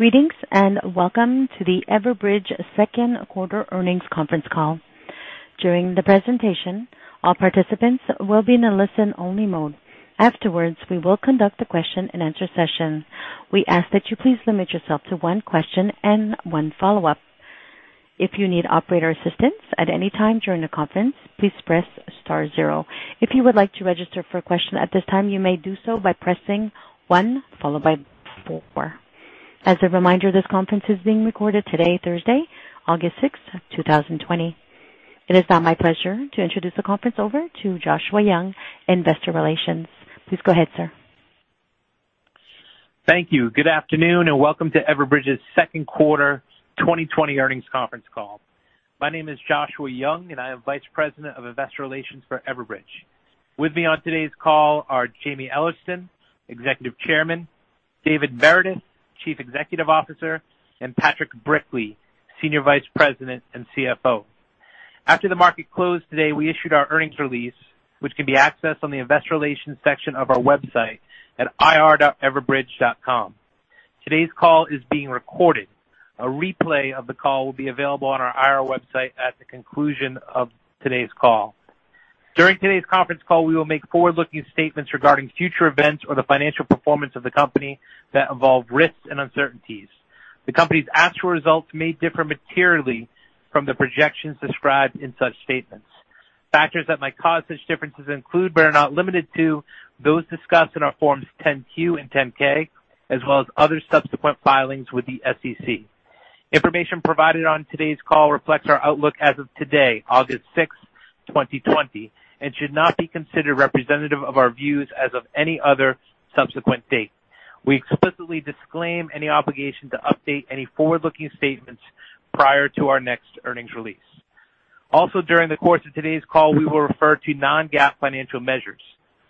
Greetings, and welcome to the Everbridge second quarter earnings conference call. During the presentation, all participants will be in a listen-only mode. Afterwards, we will conduct a question and answer session. We ask that you please limit yourself to one question and one follow-up. If you need operator assistance at any time during the conference, please press star zero. If you would like to register for a question at this time, you may do so by pressing one followed by four. As a reminder, this conference is being recorded today, Thursday, August sixth, 2020. It is now my pleasure to introduce the conference over to Joshua Young, investor relations. Please go ahead, sir. Thank you. Good afternoon, welcome to Everbridge's second quarter 2020 earnings conference call. My name is Joshua Young, and I am vice president of investor relations for Everbridge. With me on today's call are Jaime Ellertson, Executive Chairman, David Meredith, Chief Executive Officer, and Patrick Brickley, Senior Vice President and CFO. After the market closed today, we issued our earnings release, which can be accessed on the investor relations section of our website at ir.everbridge.com. Today's call is being recorded. A replay of the call will be available on our IR website at the conclusion of today's call. During today's conference call, we will make forward-looking statements regarding future events or the financial performance of the company that involve risks and uncertainties. The company's actual results may differ materially from the projections described in such statements. Factors that might cause such differences include but are not limited to those discussed in our Forms 10-Q and 10-K, as well as other subsequent filings with the SEC. Information provided on today's call reflects our outlook as of today, August sixth, 2020, and should not be considered representative of our views as of any other subsequent date. We explicitly disclaim any obligation to update any forward-looking statements prior to our next earnings release. During the course of today's call, we will refer to non-GAAP financial measures.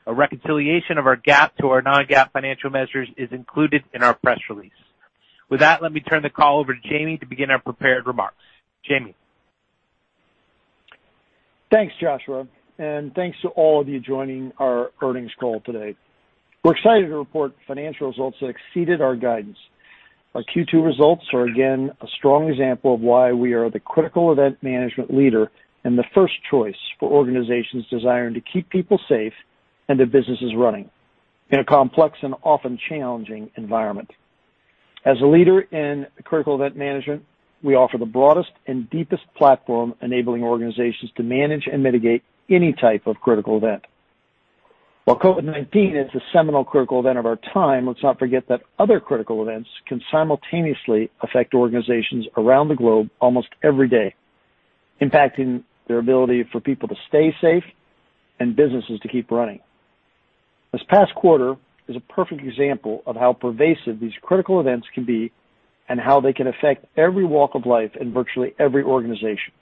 A reconciliation of our GAAP to our non-GAAP financial measures is included in our press release. With that, let me turn the call over to Jaime to begin our prepared remarks. Jaime. Thanks, Joshua. Thanks to all of you joining our earnings call today. We're excited to report financial results that exceeded our guidance. Our Q2 results are again a strong example of why we are the critical event management leader and the first choice for organizations desiring to keep people safe and their businesses running in a complex and often challenging environment. As a leader in critical event management, we offer the broadest and deepest platform enabling organizations to manage and mitigate any type of critical event. While COVID-19 is a seminal critical event of our time, let's not forget that other critical events can simultaneously affect organizations around the globe almost every day, impacting their ability for people to stay safe and businesses to keep running. This past quarter is a perfect example of how pervasive these critical events can be and how they can affect every walk of life in virtually every organization,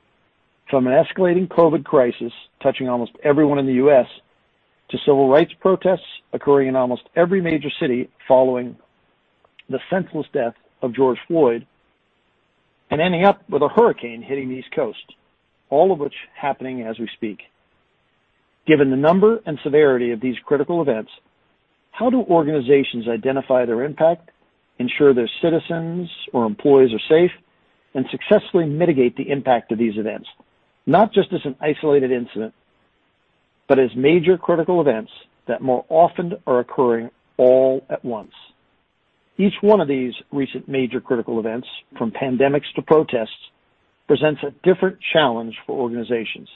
from an escalating COVID crisis touching almost everyone in the U.S., to civil rights protests occurring in almost every major city following the senseless death of George Floyd, ending up with a hurricane hitting the East Coast, all of which happening as we speak. Given the number and severity of these critical events, how do organizations identify their impact, ensure their citizens or employees are safe, and successfully mitigate the impact of these events, not just as an isolated incident, but as major critical events that more often are occurring all at once? Each one of these recent major critical events, from pandemics to protests, presents a different challenge for organizations.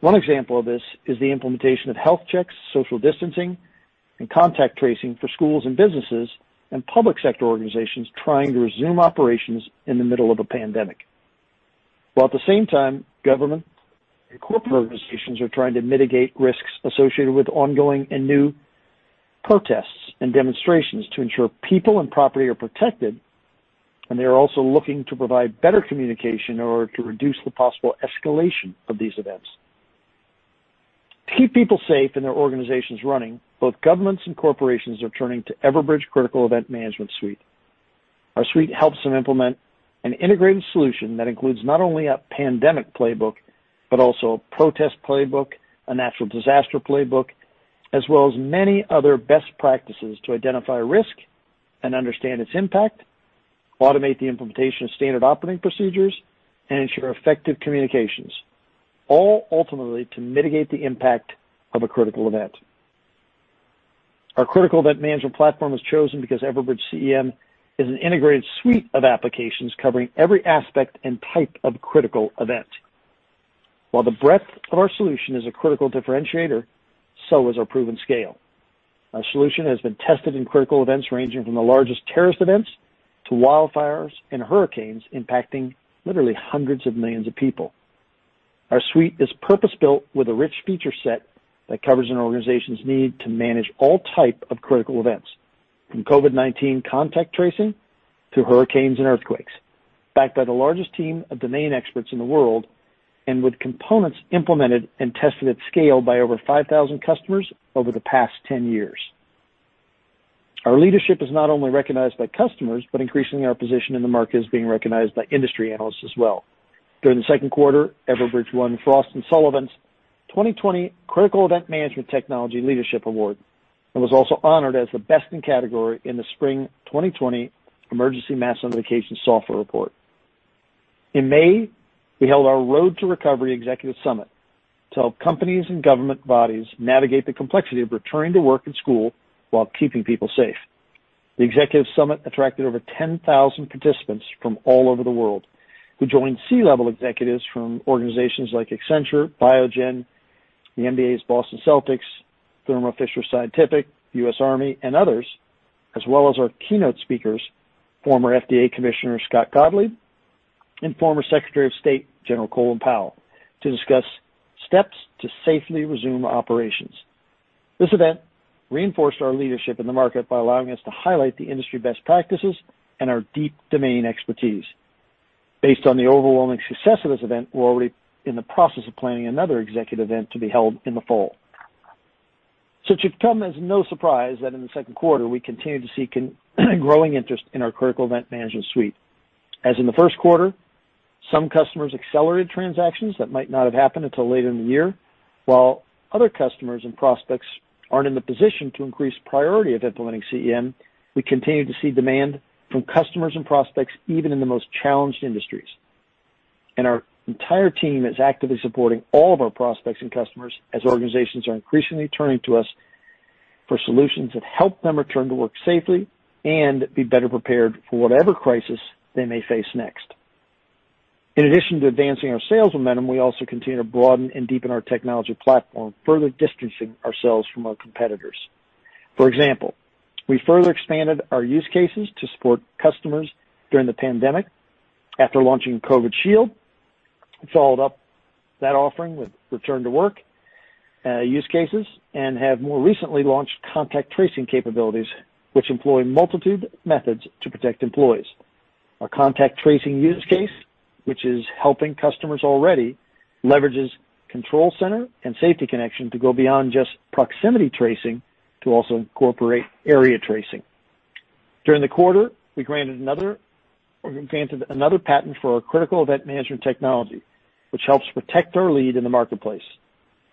One example of this is the implementation of health checks, social distancing, and contact tracing for schools and businesses and public sector organizations trying to resume operations in the middle of a pandemic. While at the same time, government and corporate organizations are trying to mitigate risks associated with ongoing and new protests and demonstrations to ensure people and property are protected, and they are also looking to provide better communication in order to reduce the possible escalation of these events. To keep people safe and their organizations running, both governments and corporations are turning to Everbridge Critical Event Management Suite. Our suite helps them implement an integrated solution that includes not only a pandemic playbook, but also a protest playbook, a natural disaster playbook, as well as many other best practices to identify risk and understand its impact, automate the implementation of standard operating procedures, and ensure effective communications, all ultimately to mitigate the impact of a critical event. Our critical event management platform was chosen because Everbridge CEM is an integrated suite of applications covering every aspect and type of critical event. While the breadth of our solution is a critical differentiator, so is our proven scale. Our solution has been tested in critical events ranging from the largest terrorist events to wildfires and hurricanes impacting literally hundreds of millions of people. Our suite is purpose-built with a rich feature set that covers an organization's need to manage all type of critical events, from COVID-19 contact tracing to hurricanes and earthquakes, backed by the largest team of domain experts in the world, and with components implemented and tested at scale by over 5,000 customers over the past 10 years. Our leadership is not only recognized by customers, but increasingly our position in the market is being recognized by industry analysts as well. During the second quarter, Everbridge won Frost & Sullivan's 2020 Critical Event Management Technology Leadership Award, and was also honored as the best in category in the Spring 2020 Emergency Mass Notification Software Report. In May, we held our Road to Recovery Executive Summit to help companies and government bodies navigate the complexity of returning to work and school while keeping people safe. The Executive Summit attracted over 10,000 participants from all over the world, who joined C-level executives from organizations like Accenture, Biogen, the NBA's Boston Celtics, Thermo Fisher Scientific, US Army, and others, as well as our keynote speakers, former FDA commissioner, Scott Gottlieb, and former Secretary of State, General Colin Powell, to discuss steps to safely resume operations. This event reinforced our leadership in the market by allowing us to highlight the industry best practices and our deep domain expertise. Based on the overwhelming success of this event, we're already in the process of planning another executive event to be held in the fall. It should come as no surprise that in the second quarter, we continued to see growing interest in our critical event management suite. As in the first quarter, some customers accelerated transactions that might not have happened until later in the year. While other customers and prospects aren't in the position to increase priority of implementing CEM, we continue to see demand from customers and prospects, even in the most challenged industries. Our entire team is actively supporting all of our prospects and customers as organizations are increasingly turning to us for solutions that help them Return to Work safely and be better prepared for whatever crisis they may face next. In addition to advancing our sales momentum, we also continue to broaden and deepen our technology platform, further distancing ourselves from our competitors. For example, we further expanded our use cases to support customers during the pandemic after launching COVID-19 Shield, followed up that offering with Return to Work use cases, and have more recently launched contact tracing capabilities, which employ multitude methods to protect employees. Our contact tracing use case, which is helping customers already, leverages Control Center and Safety Connection to go beyond just proximity tracing to also incorporate area tracing. During the quarter, we granted another patent for our critical event management technology, which helps protect our lead in the marketplace.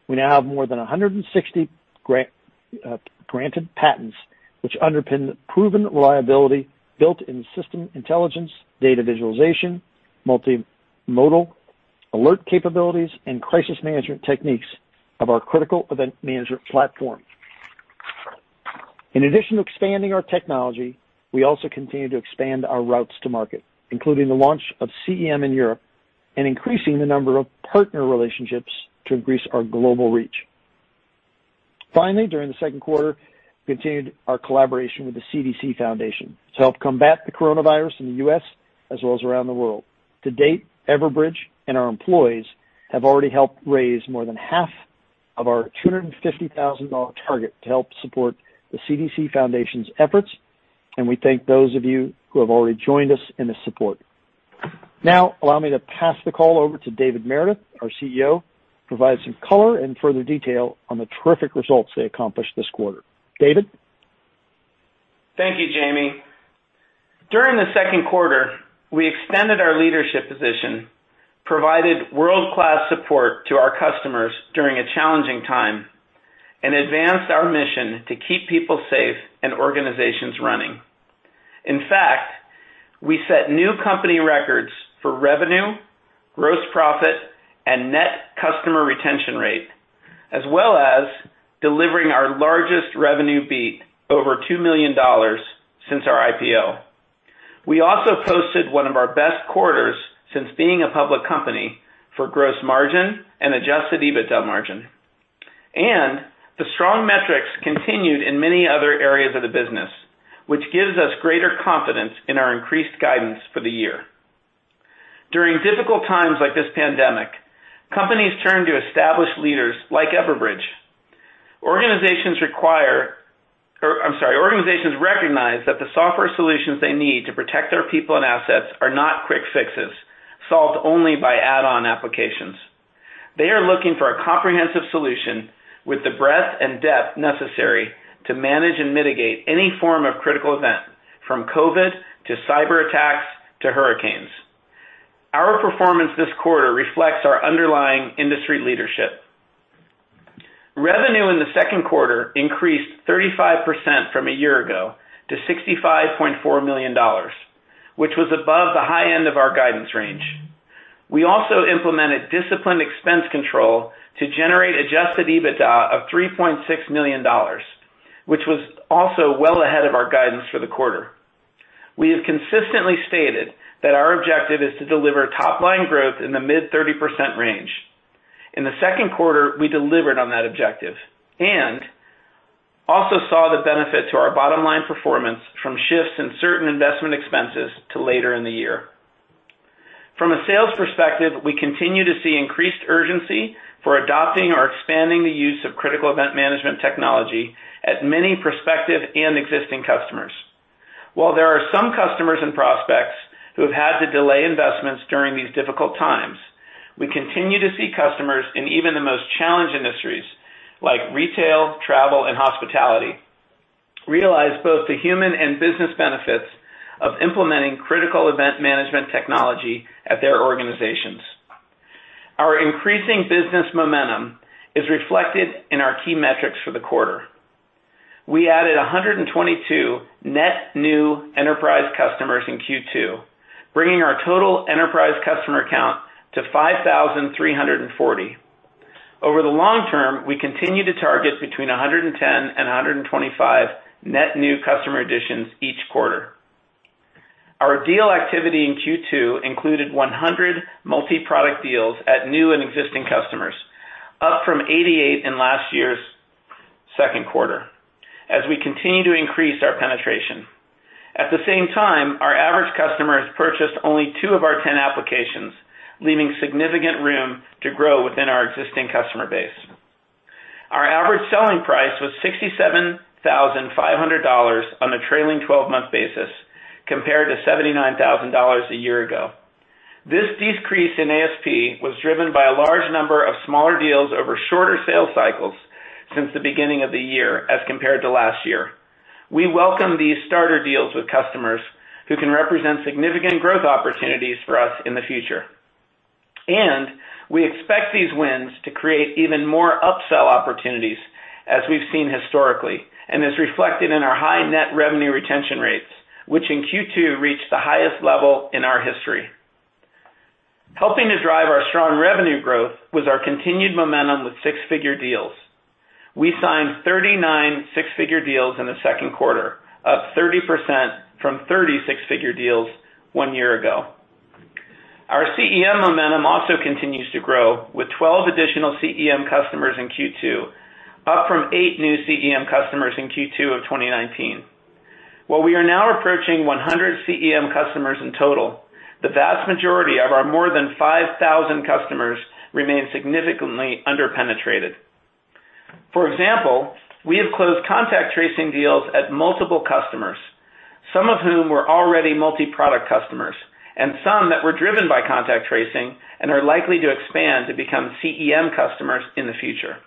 We now have more than 160 granted patents, which underpin proven reliability, built-in system intelligence, data visualization, multimodal alert capabilities, and crisis management techniques of our critical event management platform. In addition to expanding our technology, we also continue to expand our routes to market, including the launch of CEM in Europe and increasing the number of partner relationships to increase our global reach. Finally, during the second quarter, we continued our collaboration with the CDC Foundation to help combat the coronavirus in the U.S. as well as around the world. To date, Everbridge and our employees have already helped raise more than half of our $250,000 target to help support the CDC Foundation's efforts, and we thank those of you who have already joined us in this support. Now, allow me to pass the call over to David Meredith, our CEO, to provide some color and further detail on the terrific results they accomplished this quarter. David? Thank you, Jaime. During the second quarter, we extended our leadership position, provided world-class support to our customers during a challenging time, and advanced our mission to keep people safe and organizations running. In fact, we set new company records for revenue, gross profit, and net customer retention rate, as well as delivering our largest revenue beat, over $2 million, since our IPO. We also posted one of our best quarters since being a public company for gross margin and adjusted EBITDA margin. The strong metrics continued in many other areas of the business, which gives us greater confidence in our increased guidance for the year. During difficult times like this pandemic, companies turn to established leaders like Everbridge. Organizations recognize that the software solutions they need to protect their people and assets are not quick fixes solved only by add-on applications. They are looking for a comprehensive solution with the breadth and depth necessary to manage and mitigate any form of critical event, from COVID to cyberattacks to hurricanes. Our performance this quarter reflects our underlying industry leadership. Revenue in the second quarter increased 35% from a year ago to $65.4 million, which was above the high end of our guidance range. We also implemented disciplined expense control to generate adjusted EBITDA of $3.6 million, which was also well ahead of our guidance for the quarter. We have consistently stated that our objective is to deliver top-line growth in the mid-30% range. In the second quarter, we delivered on that objective and also saw the benefit to our bottom-line performance from shifts in certain investment expenses to later in the year. From a sales perspective, we continue to see increased urgency for adopting or expanding the use of critical event management technology at many prospective and existing customers. While there are some customers and prospects who have had to delay investments during these difficult times, we continue to see customers in even the most challenged industries like retail, travel, and hospitality realize both the human and business benefits of implementing critical event management technology at their organizations. Our increasing business momentum is reflected in our key metrics for the quarter. We added 122 net new enterprise customers in Q2, bringing our total enterprise customer count to 5,340. Over the long term, we continue to target between 110 and 125 net new customer additions each quarter. Our deal activity in Q2 included 100 multi-product deals at new and existing customers, up from 88 in last year's second quarter as we continue to increase our penetration. At the same time, our average customer has purchased only two of our 10 applications, leaving significant room to grow within our existing customer base. Our average selling price was $67,500 on a trailing 12-month basis, compared to $79,000 a year ago. This decrease in ASP was driven by a large number of smaller deals over shorter sales cycles since the beginning of the year as compared to last year. We welcome these starter deals with customers who can represent significant growth opportunities for us in the future, and we expect these wins to create even more upsell opportunities, as we've seen historically and as reflected in our high net revenue retention rates, which in Q2 reached the highest level in our history. Helping to drive our strong revenue growth was our continued momentum with six-figure deals. We signed 39 six-figure deals in the second quarter, up 30% from 30 six-figure deals one year ago. Our CEM momentum also continues to grow with 12 additional CEM customers in Q2, up from eight new CEM customers in Q2 of 2019. While we are now approaching 100 CEM customers in total, the vast majority of our more than 5,000 customers remain significantly under-penetrated. For example, we have closed contact tracing deals at multiple customers, some of whom were already multi-product customers, and some that were driven by contact tracing and are likely to expand to become CEM customers in the future.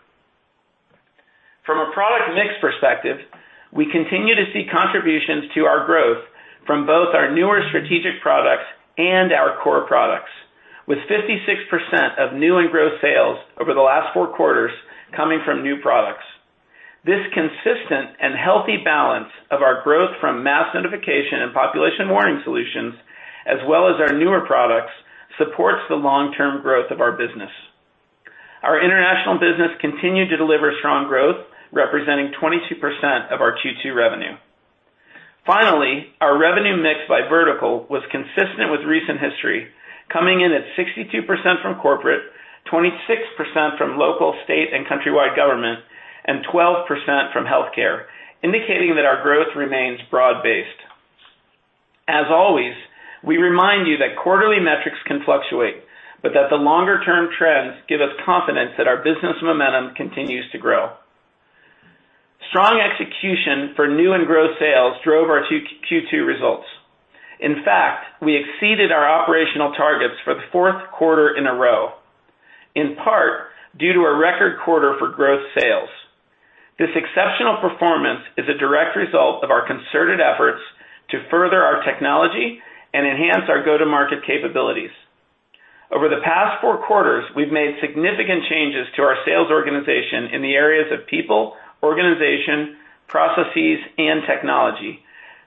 From a product mix perspective, we continue to see contributions to our growth from both our newer strategic products and our core products, with 56% of new and growth sales over the last four quarters coming from new products. This consistent and healthy balance of our growth from mass notification and population warning solutions, as well as our newer products, supports the long-term growth of our business. Our international business continued to deliver strong growth, representing 22% of our Q2 revenue. Our revenue mix by vertical was consistent with recent history, coming in at 62% from corporate, 26% from local state and countrywide government, and 12% from healthcare, indicating that our growth remains broad-based. As always, we remind you that quarterly metrics can fluctuate, but that the longer-term trends give us confidence that our business momentum continues to grow. Strong execution for new and growth sales drove our Q2 results. In fact, we exceeded our operational targets for the fourth quarter in a row, in part due to a record quarter for growth sales. This exceptional performance is a direct result of our concerted efforts to further our technology and enhance our go-to-market capabilities. Over the past four quarters, we've made significant changes to our sales organization in the areas of people, organization, processes, and technology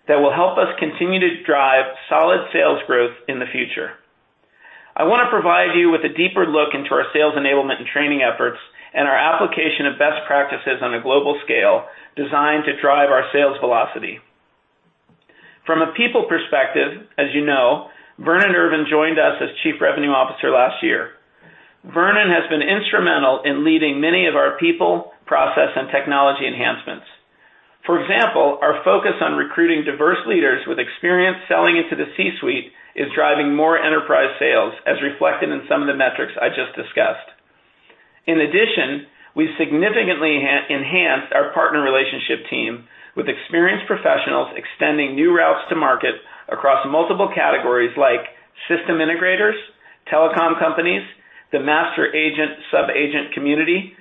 that will help us continue to drive solid sales growth in the future. I want to provide you with a deeper look into our sales enablement and training efforts and our application of best practices on a global scale designed to drive our sales velocity. From a people perspective, as you know, Vernon Irvin joined us as Chief Revenue Officer last year. Vernon has been instrumental in leading many of our people, process, and technology enhancements. For example, our focus on recruiting diverse leaders with experience selling into the C-suite is driving more enterprise sales, as reflected in some of the metrics I just discussed. In addition, we significantly enhanced our partner relationship team with experienced professionals extending new routes to market across multiple categories like system integrators, telecom companies, the master agent/sub-agent community,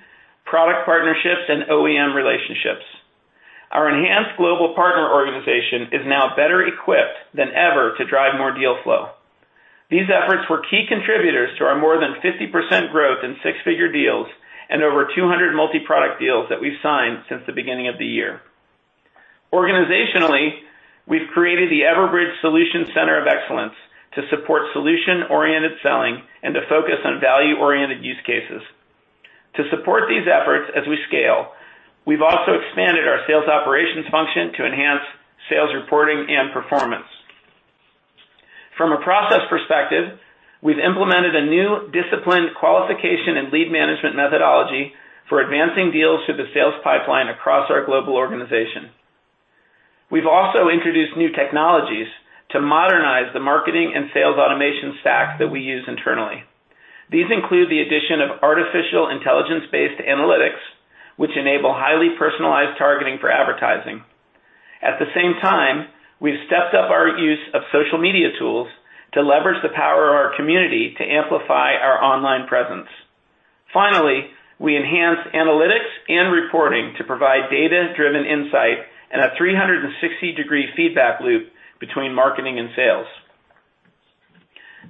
product partnerships, and OEM relationships. Our enhanced global partner organization is now better equipped than ever to drive more deal flow. These efforts were key contributors to our more than 50% growth in six-figure deals and over 200 multi-product deals that we've signed since the beginning of the year. Organizationally, we've created the Everbridge Solution Center of Excellence to support solution-oriented selling and to focus on value-oriented use cases. To support these efforts as we scale, we've also expanded our sales operations function to enhance sales reporting and performance. From a process perspective, we've implemented a new disciplined qualification and lead management methodology for advancing deals through the sales pipeline across our global organization. We've also introduced new technologies to modernize the marketing and sales automation stack that we use internally. These include the addition of artificial intelligence-based analytics, which enable highly personalized targeting for advertising. At the same time, we've stepped up our use of social media tools to leverage the power of our community to amplify our online presence. Finally, we enhance analytics and reporting to provide data-driven insight and a 360-degree feedback loop between marketing and sales.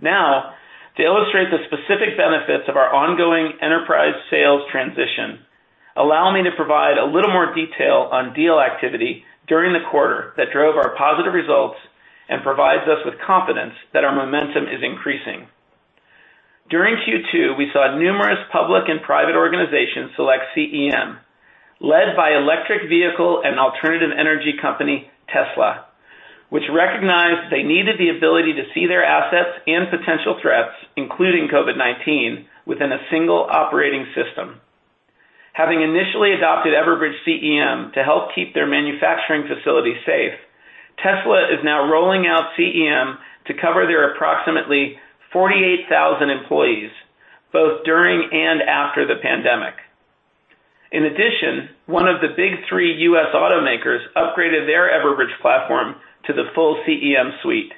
Now, to illustrate the specific benefits of our ongoing enterprise sales transition, allow me to provide a little more detail on deal activity during the quarter that drove our positive results and provides us with confidence that our momentum is increasing. During Q2, we saw numerous public and private organizations select CEM, led by electric vehicle and alternative energy company, Tesla, which recognized they needed the ability to see their assets and potential threats, including COVID-19, within a single operating system. Having initially adopted Everbridge CEM to help keep their manufacturing facilities safe, Tesla is now rolling out CEM to cover their approximately 48,000 employees, both during and after the pandemic. In addition, one of the big three U.S. automakers upgraded their Everbridge platform to the full CEM suite,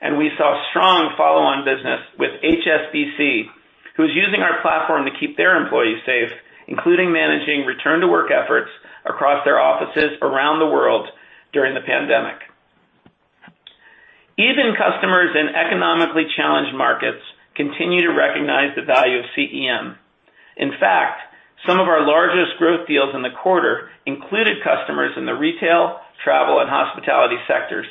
and we saw strong follow-on business with HSBC, who's using our platform to keep their employees safe, including managing Return to Work efforts across their offices around the world during the pandemic. Even customers in economically challenged markets continue to recognize the value of CEM. In fact, some of our largest growth deals in the quarter included customers in the retail, travel, and hospitality sectors,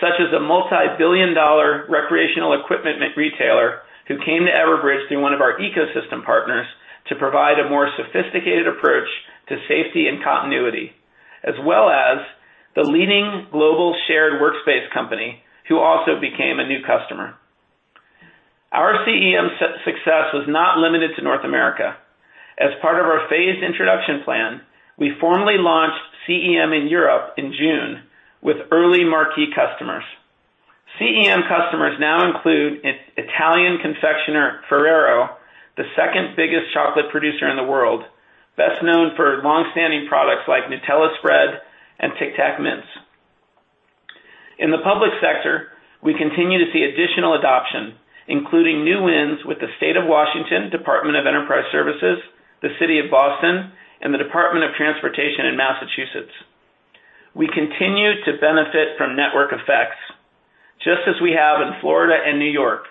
such as a multi-billion-dollar recreational equipment retailer who came to Everbridge through one of our ecosystem partners to provide a more sophisticated approach to safety and continuity, as well as the leading global shared workspace company, who also became a new customer. Our CEM success was not limited to North America. As part of our phased introduction plan, we formally launched CEM in Europe in June with early marquee customers. CEM customers now include Italian confectioner, Ferrero, the second-biggest chocolate producer in the world, best known for longstanding products like Nutella spread and Tic Tac mints. In the public sector, we continue to see additional adoption, including new wins with the State of Washington Department of Enterprise Services, the City of Boston, and the Department of Transportation in Massachusetts. We continue to benefit from network effects, just as we have in Florida and New York,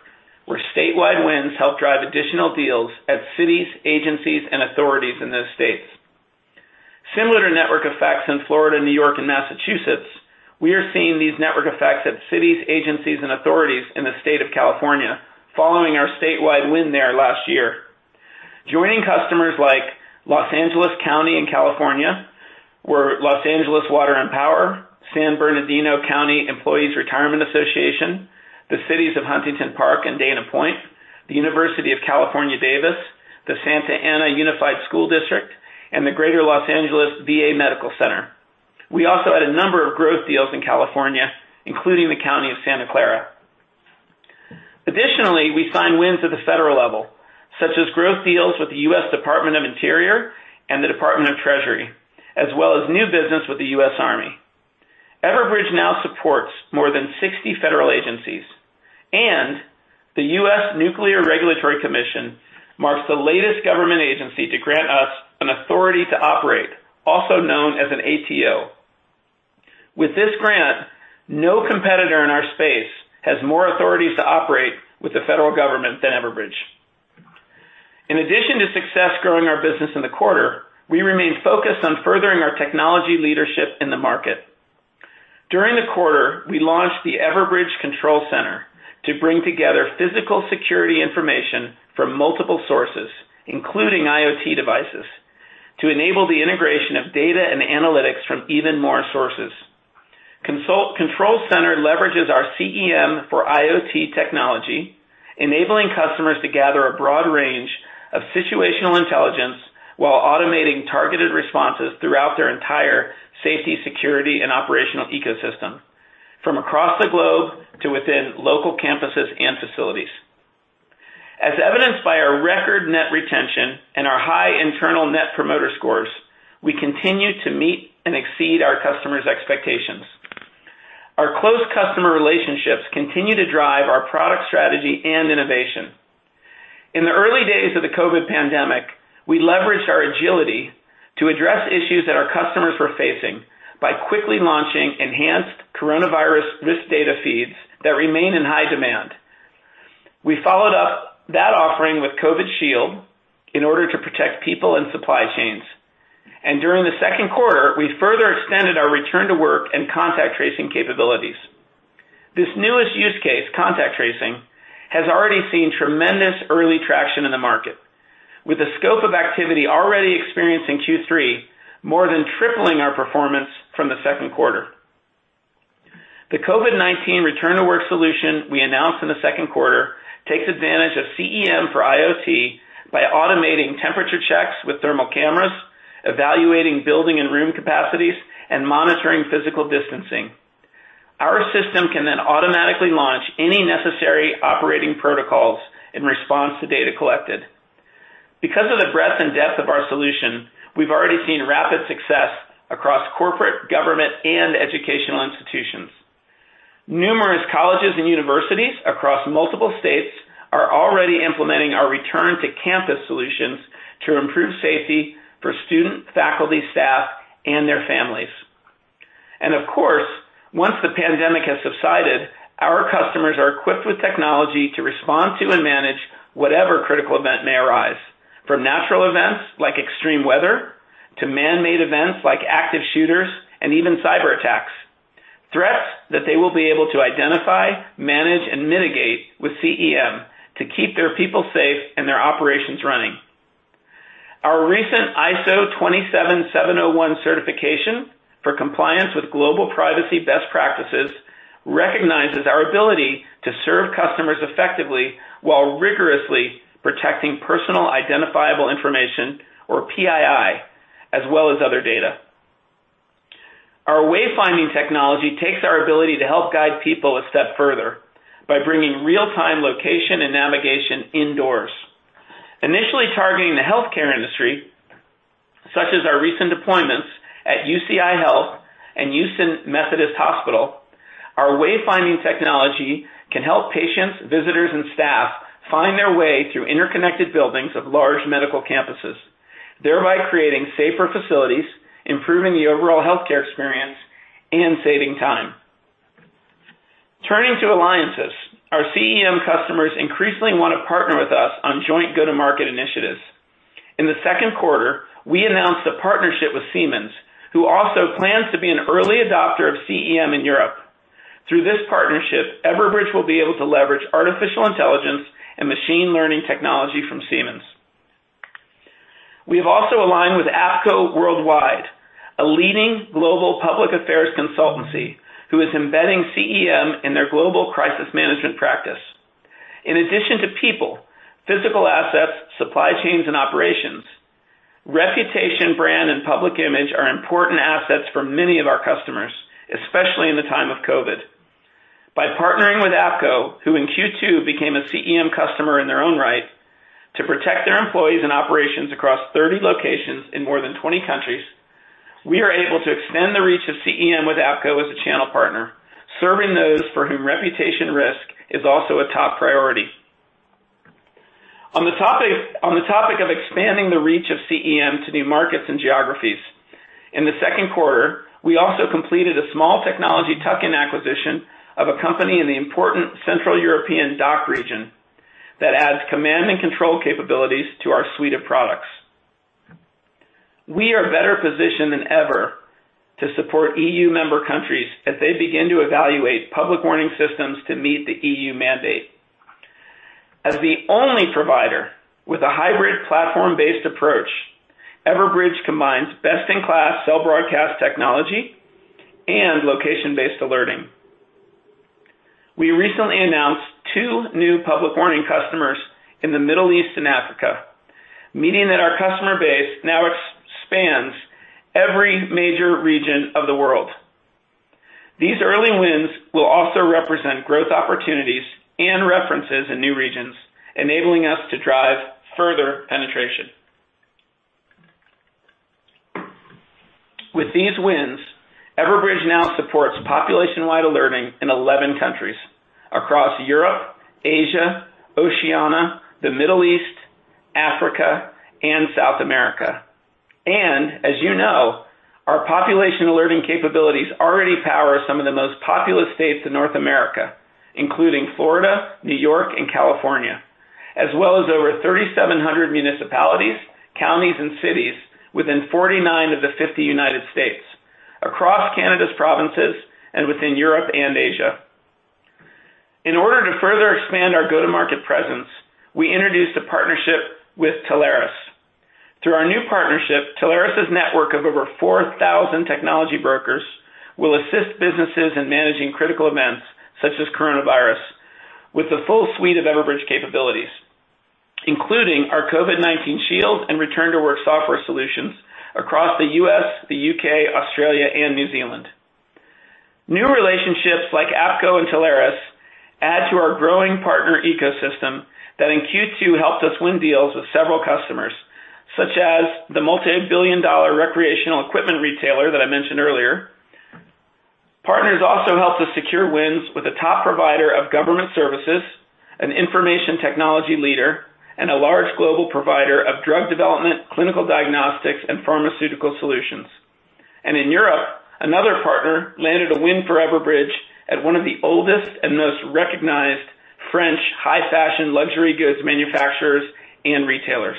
where statewide wins help drive additional deals at cities, agencies, and authorities in those states. Similar network effects in Florida, New York, and Massachusetts, we are seeing these network effects at cities, agencies, and authorities in the state of California following our statewide win there last year. Joining customers like Los Angeles County in California were Los Angeles Department of Water and Power, San Bernardino County Employees' Retirement Association, the cities of Huntington Park and Dana Point, the University of California, Davis, the Santa Ana Unified School District, and the Greater Los Angeles VA Medical Center. We also had a number of growth deals in California, including the County of Santa Clara. Additionally, we signed wins at the federal level, such as growth deals with the U.S. Department of the Interior and the U.S. Department of the Treasury, as well as new business with the US Army. Everbridge now supports more than 60 federal agencies, and the U.S. Nuclear Regulatory Commission marks the latest government agency to grant us an authority to operate, also known as an ATO. With this grant, no competitor in our space has more authorities to operate with the federal government than Everbridge. In addition to success growing our business in the quarter, we remain focused on furthering our technology leadership in the market. During the quarter, we launched the Everbridge Control Center to bring together physical security information from multiple sources, including IoT devices, to enable the integration of data and analytics from even more sources. Control Center leverages our CEM for IoT technology, enabling customers to gather a broad range of situational intelligence while automating targeted responses throughout their entire safety, security, and operational ecosystem from across the globe to within local campuses and facilities. As evidenced by our record net retention and our high internal Net Promoter Score, we continue to meet and exceed our customers' expectations. Our close customer relationships continue to drive our product strategy and innovation. In the early days of the COVID pandemic, we leveraged our agility to address issues that our customers were facing by quickly launching enhanced coronavirus risk data feeds that remain in high demand. We followed up that offering with COVID-19 Shield in order to protect people and supply chains. During the second quarter, we further extended our Return to Work and contact tracing capabilities. This newest use case, contact tracing, has already seen tremendous early traction in the market with the scope of activity already experienced in Q3, more than tripling our performance from the second quarter. The COVID-19 Return to Work solution we announced in the second quarter takes advantage of CEM for IoT by automating temperature checks with thermal cameras, evaluating building and room capacities, and monitoring physical distancing. Our system can automatically launch any necessary operating protocols in response to data collected. Because of the breadth and depth of our solution, we've already seen across corporate, government, and educational institutions. Numerous colleges and universities across multiple states are already implementing our return-to-campus solutions to improve safety for student, faculty, staff, and their families. Of course, once the pandemic has subsided, our customers are equipped with technology to respond to and manage whatever critical event may arise, from natural events like extreme weather, to manmade events like active shooters, and even cyberattacks. Threats that they will be able to identify, manage, and mitigate with CEM to keep their people safe and their operations running. Our recent ISO 27701 certification for compliance with global privacy best practices recognizes our ability to serve customers effectively while rigorously protecting personally identifiable information, or PII, as well as other data. Our wayfinding technology takes our ability to help guide people a step further by bringing real-time location and navigation indoors. Initially targeting the healthcare industry, such as our recent deployments at UCI Health and Houston Methodist Hospital, our wayfinding technology can help patients, visitors, and staff find their way through interconnected buildings of large medical campuses, thereby creating safer facilities, improving the overall healthcare experience, and saving time. Turning to alliances. In the second quarter, we announced a partnership with Siemens, who also plans to be an early adopter of CEM in Europe. Through this partnership, Everbridge will be able to leverage artificial intelligence and machine learning technology from Siemens. We have also aligned with APCO Worldwide, a leading global public affairs consultancy who is embedding CEM in their global crisis management practice. In addition to people, physical assets, supply chains, and operations, reputation, brand, and public image are important assets for many of our customers, especially in the time of COVID. By partnering with APCO, who in Q2 became a CEM customer in their own right, to protect their employees and operations across 30 locations in more than 20 countries, we are able to extend the reach of CEM with APCO as a channel partner, serving those for whom reputation risk is also a top priority. On the topic of expanding the reach of CEM to new markets and geographies, in the second quarter, we also completed a small technology tuck-in acquisition of a company in the important Central European DACH region that adds command and control capabilities to our suite of products. We are better positioned than ever to support EU member countries as they begin to evaluate public warning systems to meet the EU mandate. As the only provider with a hybrid platform-based approach, Everbridge combines best-in-class cell broadcast technology and location-based alerting. We recently announced two new public warning customers in the Middle East and Africa, meaning that our customer base now spans every major region of the world. These early wins will also represent growth opportunities and references in new regions, enabling us to drive further penetration. With these wins, Everbridge now supports population-wide alerting in 11 countries across Europe, Asia, Oceania, the Middle East, Africa, and South America. As you know, our population alerting capabilities already power some of the most populous states in North America, including Florida, New York, and California, as well as over 3,700 municipalities, counties, and cities within 49 of the 50 United States, across Canada's provinces, and within Europe and Asia. In order to further expand our go-to-market presence, we introduced a partnership with Telarus. Through our new partnership, Telarus' network of over 4,000 technology brokers will assist businesses in managing critical events such as coronavirus with the full suite of Everbridge capabilities, including our COVID-19 Shield and Return to Work software solutions across the U.S., the U.K., Australia, and New Zealand. New relationships like APCO and Telarus add to our growing partner ecosystem that in Q2 helped us win deals with several customers, such as the multi-billion dollar recreational equipment retailer that I mentioned earlier. Partners also helped us secure wins with a top provider of government services, an information technology leader, and a large global provider of drug development, clinical diagnostics, and pharmaceutical solutions. In Europe, another partner landed a win for Everbridge at one of the oldest and most recognized French high fashion luxury goods manufacturers and retailers.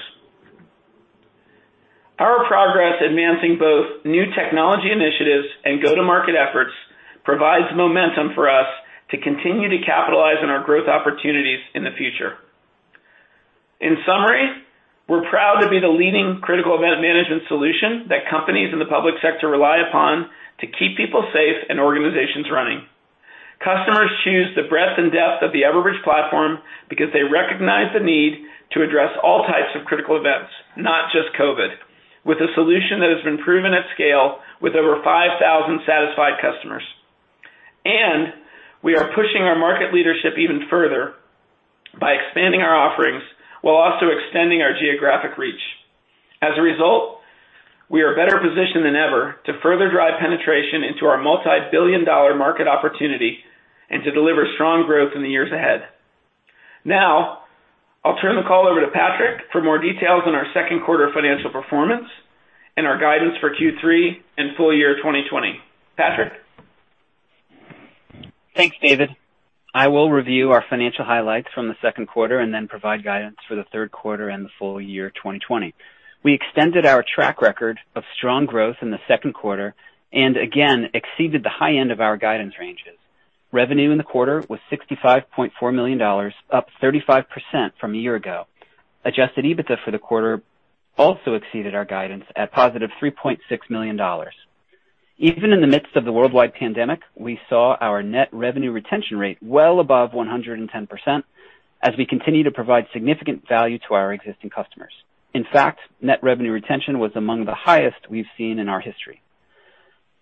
Our progress advancing both new technology initiatives and go-to-market efforts provides momentum for us to continue to capitalize on our growth opportunities in the future. In summary, we're proud to be the leading critical event management solution that companies in the public sector rely upon to keep people safe and organizations running. Customers choose the breadth and depth of the Everbridge platform because they recognize the need to address all types of critical events, not just COVID, with a solution that has been proven at scale with over 5,000 satisfied customers. We are pushing our market leadership even further by expanding our offerings while also extending our geographic reach. As a result, we are better positioned than ever to further drive penetration into our multibillion-dollar market opportunity and to deliver strong growth in the years ahead. I'll turn the call over to Patrick for more details on our second quarter financial performance and our guidance for Q3 and full year 2020. Patrick. Thanks, David. I will review our financial highlights from the second quarter and then provide guidance for the third quarter and the full year 2020. We extended our track record of strong growth in the second quarter and again exceeded the high end of our guidance ranges. Revenue in the quarter was $65.4 million, up 35% from a year ago. adjusted EBITDA for the quarter also exceeded our guidance at positive $3.6 million. Even in the midst of the worldwide pandemic, we saw our net revenue retention rate well above 110% as we continue to provide significant value to our existing customers. In fact, net revenue retention was among the highest we've seen in our history.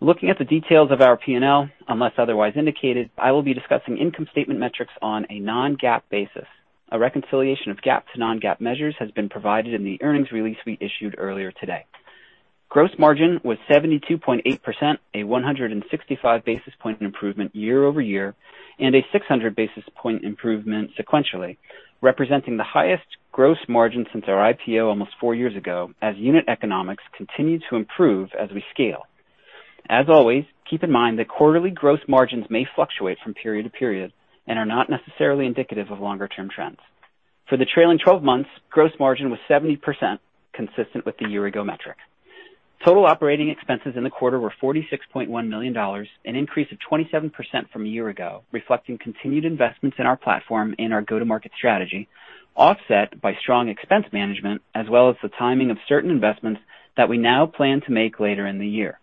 Looking at the details of our P&L, unless otherwise indicated, I will be discussing income statement metrics on a non-GAAP basis. A reconciliation of GAAP to non-GAAP measures has been provided in the earnings release we issued earlier today. Gross margin was 72.8%, a 165 basis point improvement year-over-year, and a 600 basis point improvement sequentially, representing the highest gross margin since our IPO almost four years ago as unit economics continue to improve as we scale. As always, keep in mind that quarterly gross margins may fluctuate from period to period and are not necessarily indicative of longer-term trends. For the trailing 12 months, gross margin was 70%, consistent with the year-ago metric. Total operating expenses in the quarter were $46.1 million, an increase of 27% from a year-ago, reflecting continued investments in our platform and our go-to-market strategy, offset by strong expense management as well as the timing of certain investments that we now plan to make later in the year.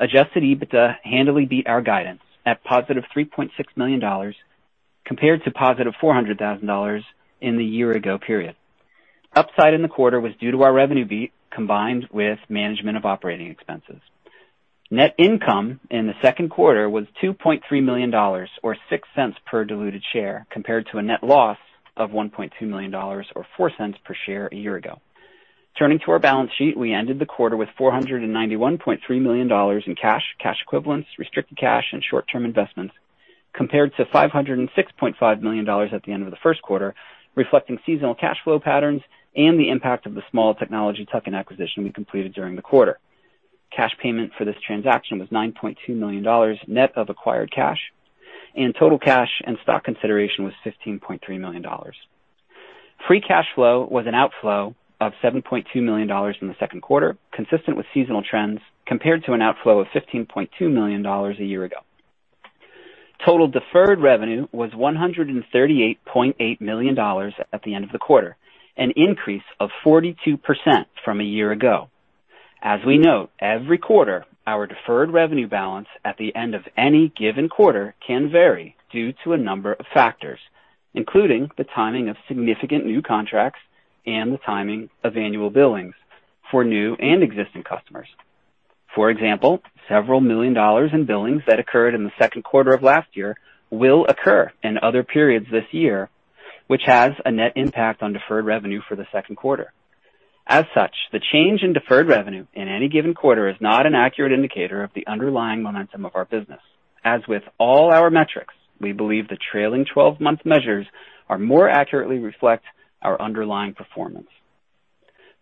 Adjusted EBITDA handily beat our guidance at positive $3.6 million compared to positive $400,000 in the year-ago period. Upside in the quarter was due to our revenue beat combined with management of operating expenses. Net income in the second quarter was $2.3 million, or $0.06 per diluted share, compared to a net loss of $1.2 million or $0.04 per share a year ago. Turning to our balance sheet, we ended the quarter with $491.3 million in cash equivalents, restricted cash, and short-term investments, compared to $506.5 million at the end of the first quarter, reflecting seasonal cash flow patterns and the impact of the small technology tuck-in acquisition we completed during the quarter. Cash payment for this transaction was $9.2 million net of acquired cash, and total cash and stock consideration was $15.3 million. Free cash flow was an outflow of $7.2 million in the second quarter, consistent with seasonal trends, compared to an outflow of $15.2 million a year ago. Total deferred revenue was $138.8 million at the end of the quarter, an increase of 42% from a year ago. As we note every quarter, our deferred revenue balance at the end of any given quarter can vary due to a number of factors, including the timing of significant new contracts and the timing of annual billings for new and existing customers. For example, several million dollars in billings that occurred in the second quarter of last year will occur in other periods this year, which has a net impact on deferred revenue for the second quarter. As such, the change in deferred revenue in any given quarter is not an accurate indicator of the underlying momentum of our business. As with all our metrics, we believe the trailing 12-month measures more accurately reflect our underlying performance.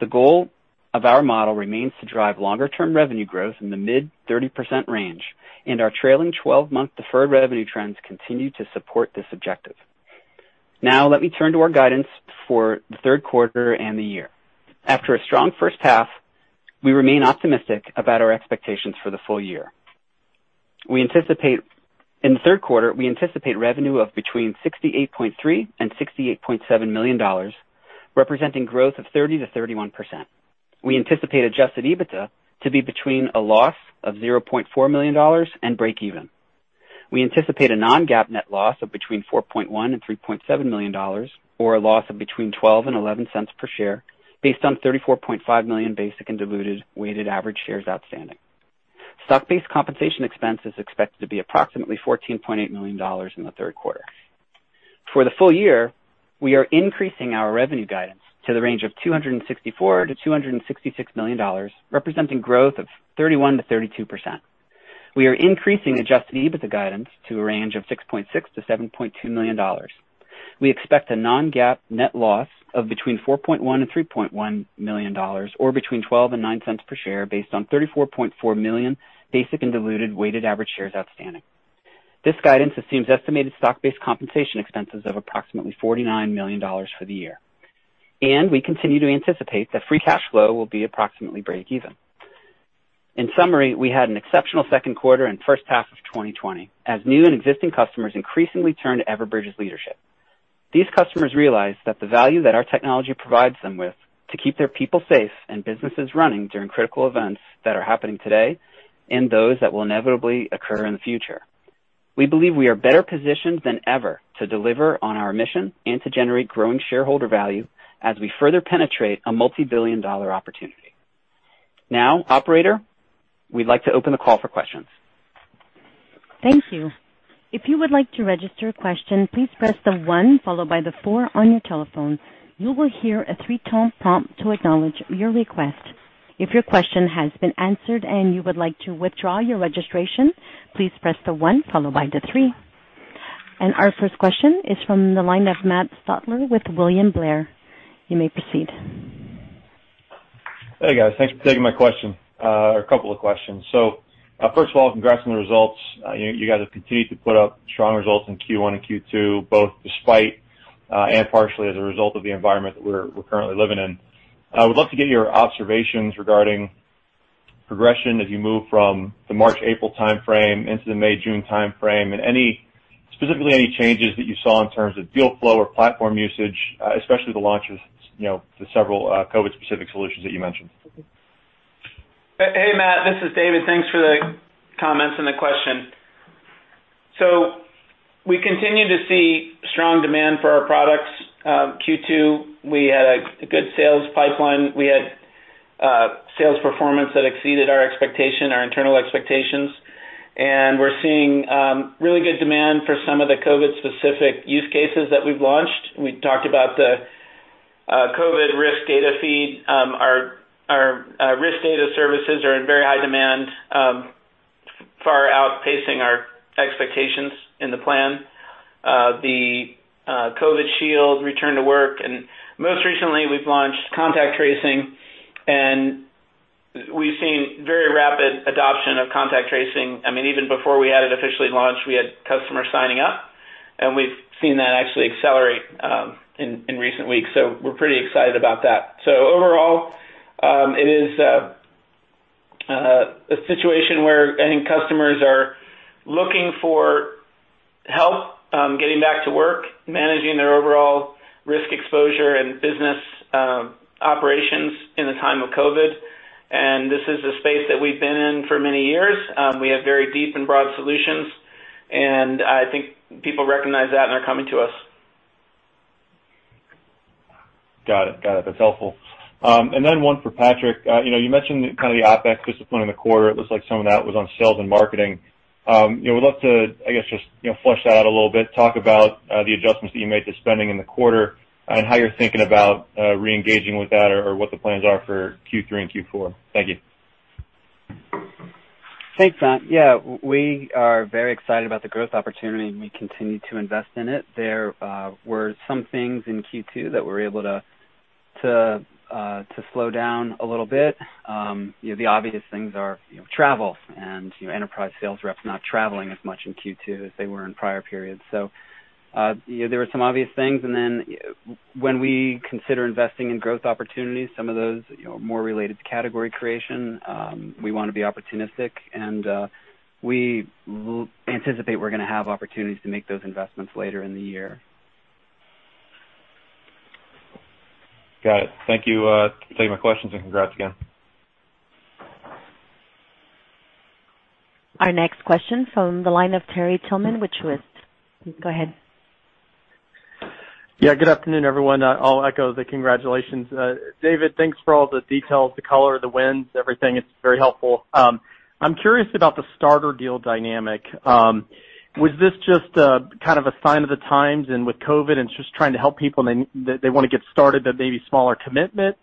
The goal of our model remains to drive longer-term revenue growth in the mid 30% range, and our trailing 12-month deferred revenue trends continue to support this objective. Now let me turn to our guidance for the third quarter and the year. After a strong first half, we remain optimistic about our expectations for the full year. In the third quarter, we anticipate revenue of between $68.3 million and $68.7 million, representing growth of 30% to 31%. We anticipate adjusted EBITDA to be between a loss of $0.4 million and breakeven. We anticipate a non-GAAP net loss of between $4.1 million and $3.7 million, or a loss of between $0.12 and $0.11 per share, based on 34.5 million basic and diluted weighted average shares outstanding. Stock-based compensation expense is expected to be approximately $14.8 million in the third quarter. For the full year, we are increasing our revenue guidance to the range of $264 to 266 million, representing growth of 31% to 32%. We are increasing adjusted EBITDA guidance to a range of $6.6 to 7.2 million. We expect a non-GAAP net loss of between $4.1 and $3.1 million, or between $0.12 and $0.09 per share, based on 34.4 million basic and diluted weighted average shares outstanding. This guidance assumes estimated stock-based compensation expenses of approximately $49 million for the year. We continue to anticipate that free cash flow will be approximately breakeven. In summary, we had an exceptional second quarter and first half of 2020 as new and existing customers increasingly turn to Everbridge's leadership. These customers realize the value that our technology provides them with to keep their people safe and businesses running during critical events that are happening today and those that will inevitably occur in the future. We believe we are better positioned than ever to deliver on our mission and to generate growing shareholder value as we further penetrate a multibillion-dollar opportunity. Operator, we'd like to open the call for questions. Thank you. If you would like to register a question, please press the one followed by the four on your telephone. You will hear a three-tone prompt to acknowledge your request. If your question has been answered and you would like to withdraw your registration, please press the one followed by the three. Our first question is from the line of Matt Stotler with William Blair. You may proceed. Hey, guys. Thanks for taking my question. A couple of questions. First of all, congrats on the results. You guys have continued to put up strong results in Q1 and Q2, both despite, and partially as a result of the environment that we're currently living in. I would love to get your observations regarding progression as you move from the March, April timeframe into the May, June timeframe, and specifically any changes that you saw in terms of deal flow or platform usage, especially the launch of the several COVID-specific solutions that you mentioned. Hey, Matt, this is David. Thanks for the comments and the question. We continue to see strong demand for our products. Q2, we had a good sales pipeline. We had sales performance that exceeded our internal expectations, and we're seeing really good demand for some of the COVID-specific use cases that we've launched. We talked about the COVID risk data feed. Our risk data services are in very high demand, far outpacing our expectations in the plan. The COVID-19 Shield Return to Work, and most recently, we've launched contact tracing, and we've seen very rapid adoption of contact tracing. Even before we had it officially launched, we had customers signing up, and we've seen that actually accelerate in recent weeks, so we're pretty excited about that. Overall, it is a situation where I think customers are looking for help getting back to work, managing their overall risk exposure and business operations in the time of COVID. This is the space that we've been in for many years. We have very deep and broad solutions, and I think people recognize that, and they're coming to us. Got it. That's helpful. Then one for Patrick. You mentioned the kind of the OpEx discipline in the quarter. It looks like some of that was on sales and marketing. Would love to, I guess, just flush that out a little bit, talk about the adjustments that you made to spending in the quarter, and how you're thinking about re-engaging with that or what the plans are for Q3 and Q4. Thank you. Thanks, Matt. Yeah, we are very excited about the growth opportunity, and we continue to invest in it. There were some things in Q2 that we were able to slow down a little bit. The obvious things are travel and enterprise sales reps not traveling as much in Q2 as they were in prior periods. There were some obvious things, and then when we consider investing in growth opportunities, some of those more related to category creation, we want to be opportunistic, and we anticipate we're going to have opportunities to make those investments later in the year. Got it. Thank you for taking my questions, and congrats again. Our next question from the line of Terry Tillman with Truist. Go ahead. Yeah, good afternoon, everyone. I'll echo the congratulations. David, thanks for all the details, the color, the wins, everything. It's very helpful. I'm curious about the starter deal dynamic. Was this just a kind of a sign of the times, and with COVID, and it's just trying to help people that they want to get started with maybe smaller commitment?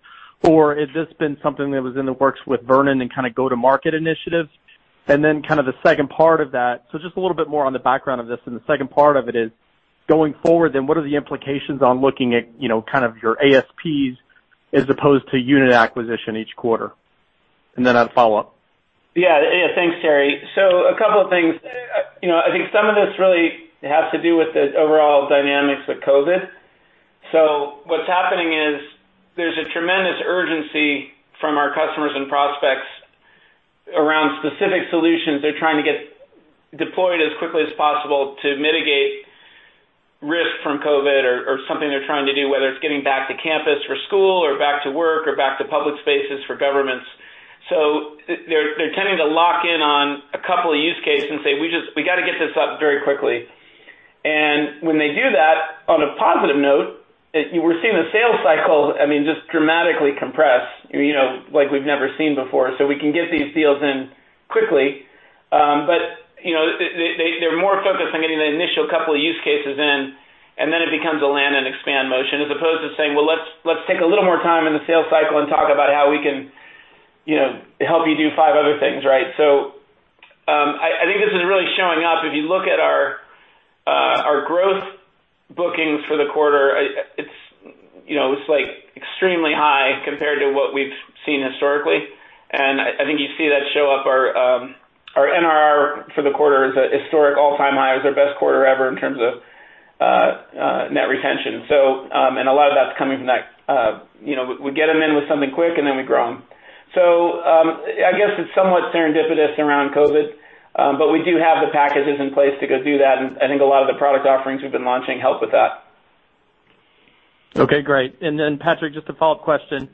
Has this been something that was in the works with Vernon and kind of go-to-market initiatives? Kind of the second part of that, so just a little bit more on the background of this, and the second part of it is, going forward, then what are the implications on looking at your ASPs as opposed to unit acquisition each quarter? I have follow-up. Yeah. Thanks, Terry. A couple of things. I think some of this really has to do with the overall dynamics with COVID-19. What's happening is there's a tremendous urgency from our customers and prospects around specific solutions they're trying to get deployed as quickly as possible to mitigate risk from COVID-19 or something they're trying to do, whether it's getting back to campus for school, or Return to Work, or back to public spaces for governments. They're tending to lock in on a couple of use cases and say, "We got to get this up very quickly." When they do that, on a positive note, we're seeing the sales cycle just dramatically compress, like we've never seen before. We can get these deals in quickly. They're more focused on getting the initial couple of use cases in, and then it becomes a land-and-expand motion, as opposed to saying, "Well, let's take a little more time in the sales cycle and talk about how we can help you do five other things," right? I think this is really showing up. If you look at our growth bookings for the quarter, it's extremely high compared to what we've seen historically. I think you see that show up. Our NRR for the quarter is a historic all-time high. It was our best quarter ever in terms of net retention. A lot of that's coming from that, we get them in with something quick, and then we grow them. I guess it's somewhat serendipitous around COVID. We do have the packages in place to go do that, and I think a lot of the product offerings we've been launching help with that. Okay, great. Then Patrick, just a follow-up question.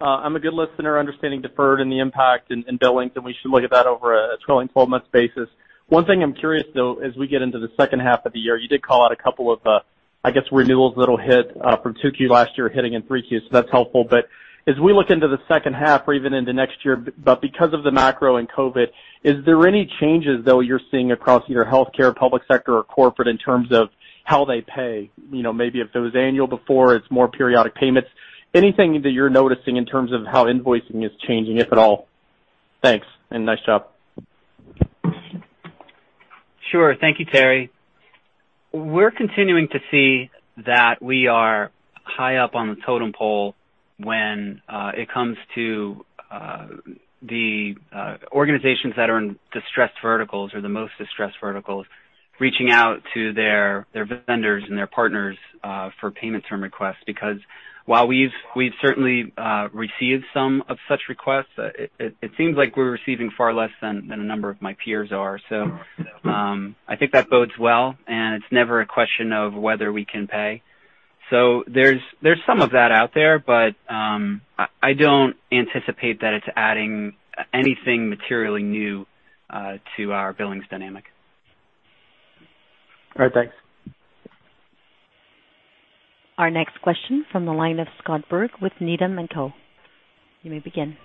I'm a good listener, understanding deferred and the impact and billings, and we should look at that over a trailing 12-month basis. One thing I'm curious, though, as we get into the second half of the year, you did call out a couple of renewals that'll hit from 2Q last year hitting in 3Q, so that's helpful. As we look into the second half or even into next year, because of the macro and COVID-19, is there any changes though you're seeing across either healthcare, public sector, or corporate in terms of how they pay? Maybe if it was annual before, it's more periodic payments. Anything that you're noticing in terms of how invoicing is changing, if at all? Thanks, and nice job. Sure. Thank you, Terry. We're continuing to see that we are high up on the totem pole when it comes to the organizations that are in distressed verticals or the most distressed verticals, reaching out to their vendors and their partners, for payment term requests. Because while we've certainly received some of such requests, it seems like we're receiving far less than a number of my peers are. I think that bodes well, and it's never a question of whether we can pay. There's some of that out there, but, I don't anticipate that it's adding anything materially new to our billings dynamic. All right. Thanks. Our next question from the line of Scott Berg with Needham & Company. You may begin.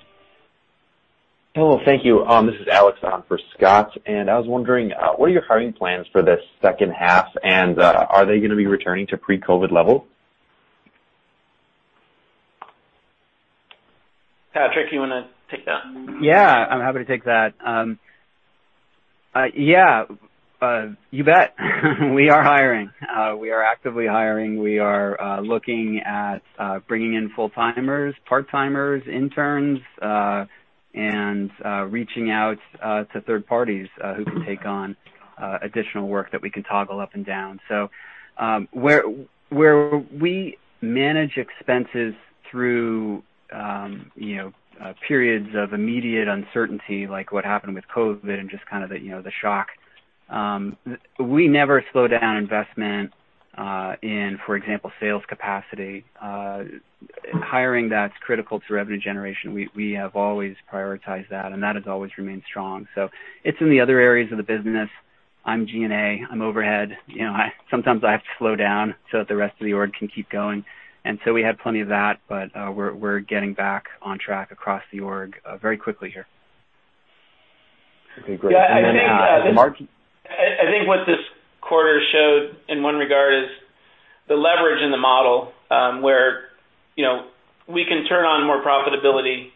Hello, thank you. This is Alex on for Scott. I was wondering, what are your hiring plans for this second half, and are they going to be returning to pre-COVID level? Patrick, you want to take that? I'm happy to take that. You bet. We are hiring. We are actively hiring. We are looking at bringing in full-timers, part-timers, interns, and reaching out to third parties who can take on additional work that we can toggle up and down. Where we manage expenses through periods of immediate uncertainty, like what happened with COVID and just the shock, we never slow down investment in, for example, sales capacity. Hiring, that's critical to revenue generation. We have always prioritized that, and that has always remained strong. It's in the other areas of the business. I'm G&A, I'm overhead. Sometimes I have to slow down so that the rest of the org can keep going. We had plenty of that, but we're getting back on track across the org very quickly here. Okay, great. Mark I think what this quarter showed in one regard is the leverage in the model, where we can turn on more profitability,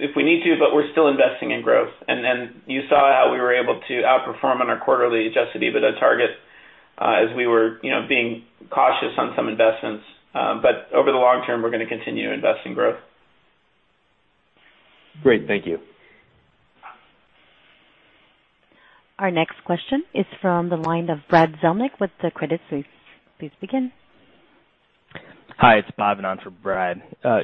if we need to, but we're still investing in growth. You saw how we were able to outperform on our quarterly adjusted EBITDA target, as we were being cautious on some investments. Over the long term, we're going to continue to invest in growth. Great. Thank you. Our next question is from the line of Brad Zelnick with The Credit Suisse. Please begin. Hi, it's Bhavin for Brad.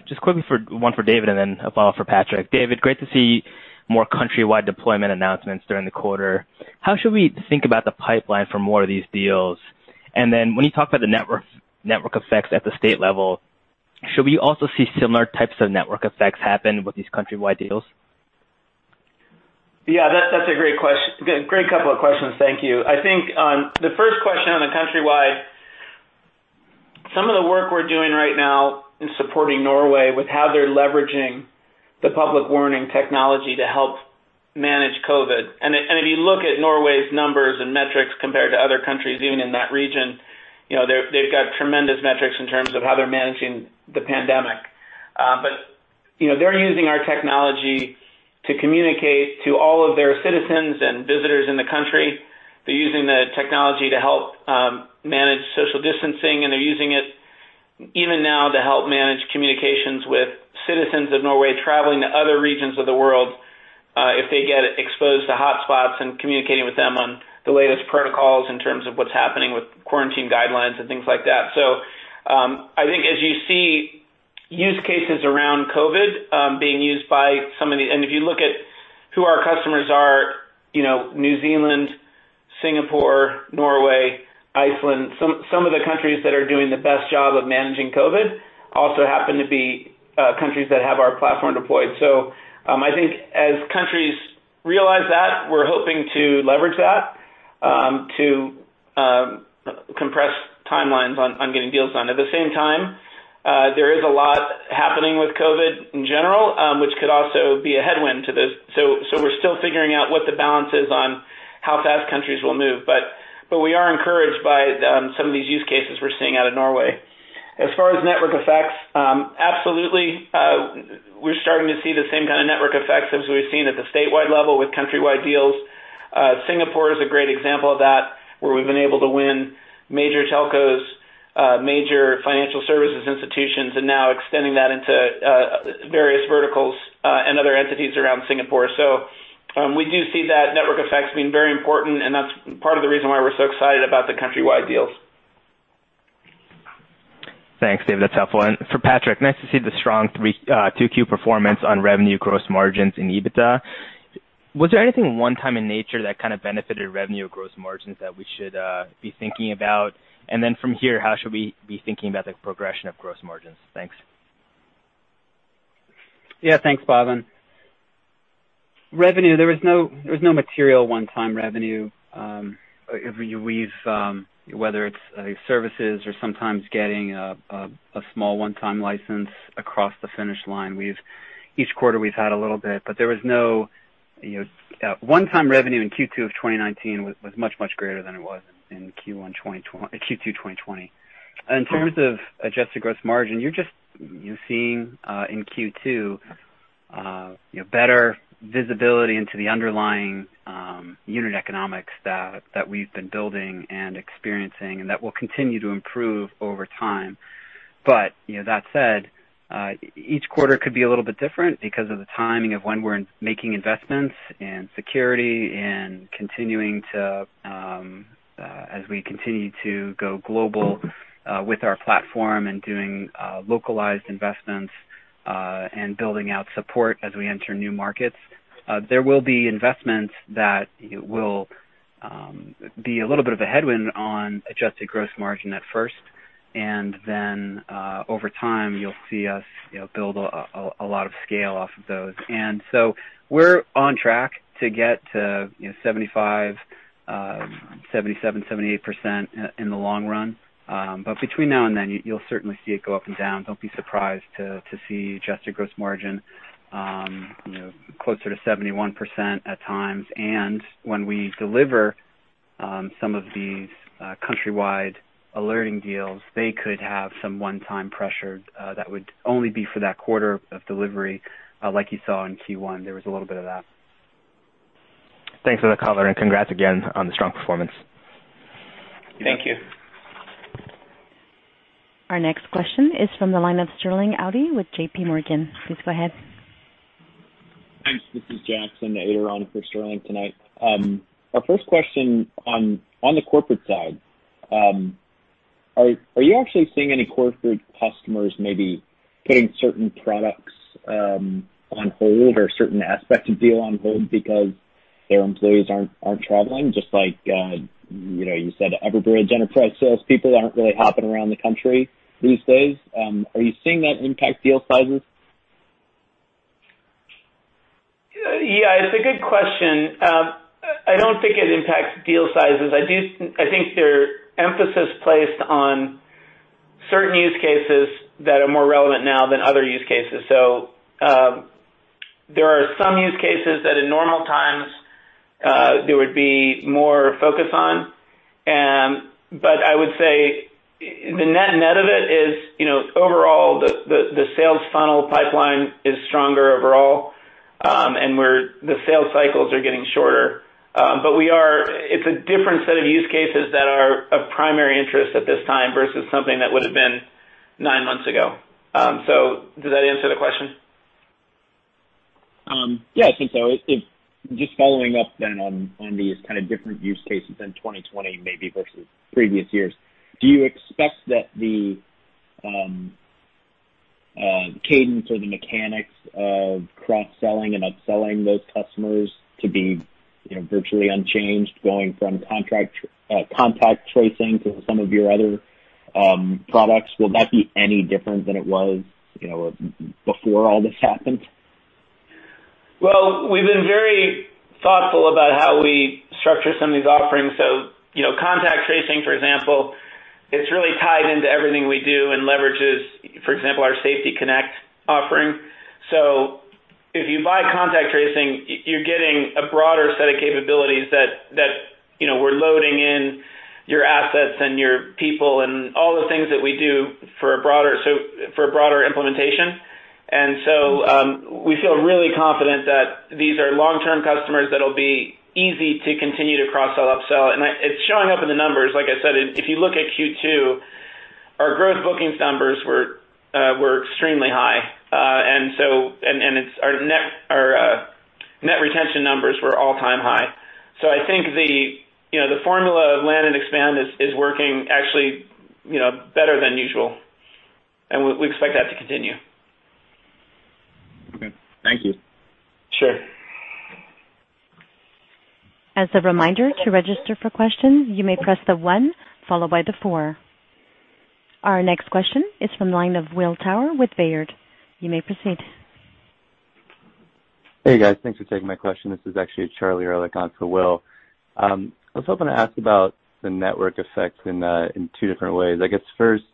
Just quickly, one for David and then a follow for Patrick. David, great to see more countrywide deployment announcements during the quarter. How should we think about the pipeline for more of these deals? When you talk about the network effects at the state level, should we also see similar types of network effects happen with these countrywide deals? Yeah, that's a great couple of questions. Thank you. I think on the first question on the countrywide, some of the work we're doing right now in supporting Norway with how they're leveraging the public warning technology to help manage COVID. If you look at Norway's numbers and metrics compared to other countries, even in that region, they've got tremendous metrics in terms of how they're managing the pandemic. They're using our technology to communicate to all of their citizens and visitors in the country. They're using the technology to help manage social distancing, and they're using it even now to help manage communications with citizens of Norway traveling to other regions of the world, if they get exposed to hotspots and communicating with them on the latest protocols in terms of what's happening with quarantine guidelines and things like that. I think as you see use cases around COVID, being used by New Zealand, Singapore, Norway, Iceland. Some of the countries that are doing the best job of managing COVID also happen to be countries that have our platform deployed. I think as countries realize that, we're hoping to leverage that, to compress timelines on getting deals done. At the same time, there is a lot happening with COVID in general, which could also be a headwind to this. We're still figuring out what the balance is on how fast countries will move. We are encouraged by some of these use cases we're seeing out of Norway. As far as network effects, absolutely. We're starting to see the same kind of network effects as we've seen at the statewide level with countrywide deals. Singapore is a great example of that, where we've been able to win major telcos, major financial services institutions, and now extending that into various verticals and other entities around Singapore. We do see that network effects being very important, and that's part of the reason why we're so excited about the countrywide deals. Thanks, David. That's a tough one. For Patrick, nice to see the strong 2Q performance on revenue gross margins and EBITDA. Was there anything one time in nature that benefited revenue gross margins that we should be thinking about? From here, how should we be thinking about the progression of gross margins? Thanks. Yeah. Thanks, Bhavin. Revenue, there was no material one-time revenue. Whether it's services or sometimes getting a small one-time license across the finish line. Each quarter we've had a little bit. One-time revenue in Q2 of 2019 was much greater than it was in Q2 2020. In terms of adjusted gross margin, you're just seeing in Q2 better visibility into the underlying unit economics that we've been building and experiencing and that will continue to improve over time. That said, each quarter could be a little bit different because of the timing of when we're making investments in security and as we continue to go global with our platform and doing localized investments, and building out support as we enter new markets. There will be investments that will be a little bit of a headwind on adjusted gross margin at first, and then, over time, you'll see us build a lot of scale off of those. We're on track to get to 75%, 77%, 78% in the long run. Between now and then, you'll certainly see it go up and down. Don't be surprised to see adjusted gross margin closer to 71% at times. When we deliver some of these countrywide alerting deals, they could have some one-time pressure that would only be for that quarter of delivery, like you saw in Q1. There was a little bit of that. Thanks for the color, and congrats again on the strong performance. Thank you. Our next question is from the line of Sterling Auty with JPMorgan. Please go ahead. Thanks. This is Jackson Ader for Sterling Auty. Our first question on the corporate side. Are you actually seeing any corporate customers maybe putting certain products on hold or a certain aspect of deal on hold because their employees aren't traveling? Just like you said, Everbridge enterprise salespeople aren't really hopping around the country these days. Are you seeing that impact deal sizes? Yeah, it's a good question. I don't think it impacts deal sizes. I think there are emphasis placed on certain use cases that are more relevant now than other use cases. There are some use cases that in normal times there would be more focus on, but I would say the net of it is overall, the sales funnel pipeline is stronger overall, and the sales cycles are getting shorter. It's a different set of use cases that are of primary interest at this time versus something that would've been nine months ago. Does that answer the question? Yeah, I think so. Just following up on these kind of different use cases in 2020 maybe versus previous years, do you expect that the cadence or the mechanics of cross-selling and upselling those customers to be virtually unchanged, going from contact tracing to some of your other products? Will that be any different than it was before all this happened? Well, we've been very thoughtful about how we structure some of these offerings. Contact tracing, for example, it's really tied into everything we do and leverages, for example, our Safety Connection offering. If you buy contact tracing, you're getting a broader set of capabilities that we're loading in your assets and your people and all the things that we do for a broader implementation. We feel really confident that these are long-term customers that'll be easy to continue to cross-sell, up-sell. It's showing up in the numbers. Like I said, if you look at Q2, our gross bookings numbers were extremely high. Our net retention numbers were all-time high. I think the formula of land and expand is working actually better than usual, and we expect that to continue. Okay. Thank you. Sure. Our next question is from the line of Will Power with Baird. Hey, guys. Thanks for taking my question. This is actually Charlie Erlikh on for Will. I was hoping to ask about the network effects in two different ways. I guess first,